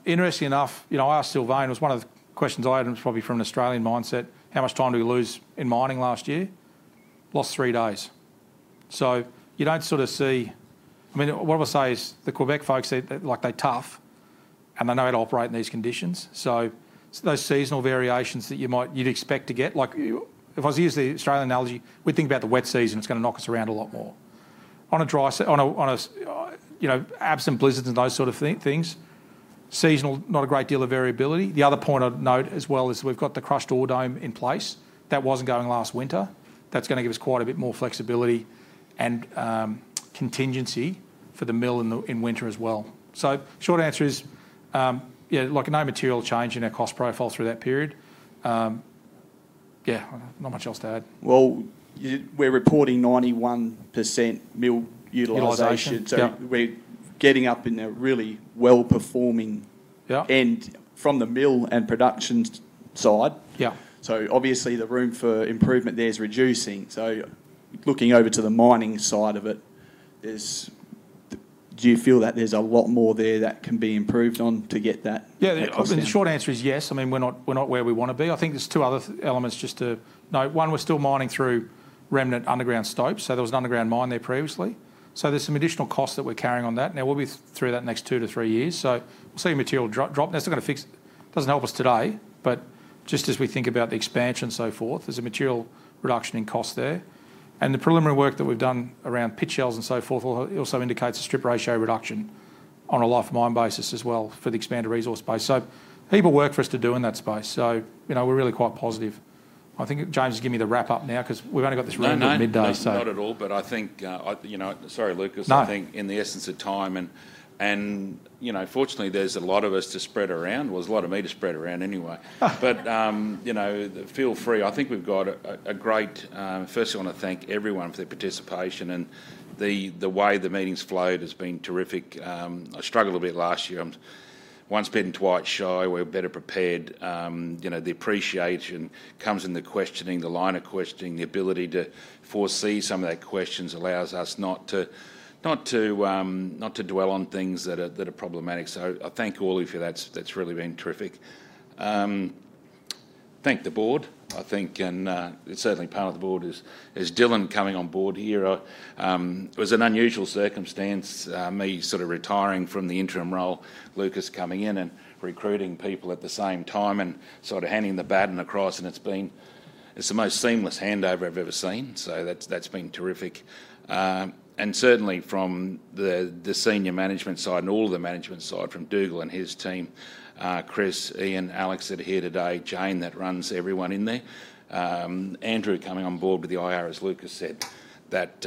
Interesting enough, I asked Sylvain, it was one of the questions I had, and it was probably from an Australian mindset, how much time do we lose in mining last year? Lost three days. You don't sort of see. I mean, what I would say is the Quebec folks say they're tough and they know how to operate in these conditions. Those seasonal variations that you'd expect to get, if I was to use the Australian analogy, we think about the wet season, it's going to knock us around a lot more. In the absence of blizzards and those sort of things, seasonal, not a great deal of variability. The other point I'd note as well is we've got the crushed ore dome in place. That wasn't going last winter. That's going to give us quite a bit more flexibility and contingency for the mill in winter as well. Short answer is, yeah, no material change in our cost profile through that period. Yeah, not much else to add. We're reporting 91% mill utilization. So we're getting up in a really well-performing end from the mill and production side. So obviously, the room for improvement there is reducing. So looking over to the mining side of it, do you feel that there's a lot more there that can be improved on to get that? Yeah. The short answer is yes. I mean, we're not where we want to be. I think there's two other elements just to note. One, we're still mining through remnant underground stopes. So there was an underground mine there previously. So there's some additional costs that we're carrying on that. Now, we'll be through that in the next two to three years. So we'll see material drop. That's not going to fix it. It doesn't help us today, but just as we think about the expansion and so forth, there's a material reduction in costs there. And the preliminary work that we've done around pit shells and so forth also indicates a strip ratio reduction on a life mine basis as well for the expanded resource base. So plenty of work for us to do in that space. So we're really quite positive. I think James is giving me the wrap-up now because we've only got this room here at midday, so.No, no, not at all. But I think, sorry, Lucas, in the interest of time. And fortunately, there's a lot of us to spread around. Well, there's a lot of me to spread around anyway. But feel free. I think we've got a great. Firstly, I want to thank everyone for their participation. And the way the meetings flowed has been terrific. I struggled a bit last year. Once bitten and twice shy, we were better prepared. The appreciation comes in the questioning, the line of questioning, the ability to foresee some of that questions allows us not to dwell on things that are problematic, so I thank all of you for that. That's really been terrific. Thank the board. I think, and certainly part of the board is Dylan coming on board here. It was an unusual circumstance, me sort of retiring from the interim role, Lucas coming in and recruiting people at the same time and sort of handing the baton across, and it's the most seamless handover I've ever seen, so that's been terrific. And certainly from the senior management side and all of the management side from Dougal and his team, Chris, Ian, Alex that are here today, Jane that runs everyone in there, Andrew coming on board with the IR as Lucas said, that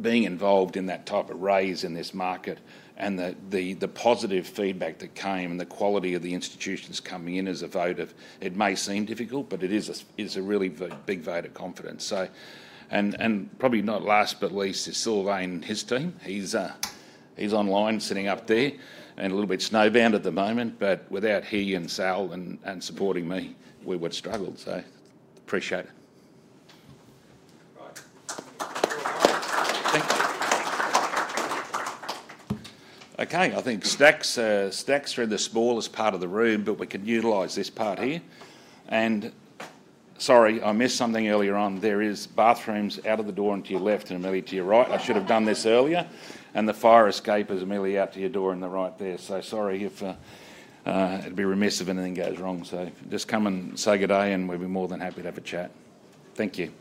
being involved in that type of raise in this market and the positive feedback that came and the quality of the institutions coming in as a vote of confidence. It may seem difficult, but it is a really big vote of confidence. And probably not last but least is Sylvain and his team. He's online sitting up there and a little bit snowbound at the moment, but without he and Sal and supporting me, we would have struggled. So appreciate it. Thank you. Okay. I think that's the smallest part of the room, but we can utilize this part here. And sorry, I missed something earlier on. There are bathrooms out of the door and to your left and immediately to your right. I should have done this earlier. And the fire escape is immediately out to your door on the right there. So sorry if it'd be remiss if anything goes wrong. So just come and say good day, and we'd be more than happy to have a chat. Thank you.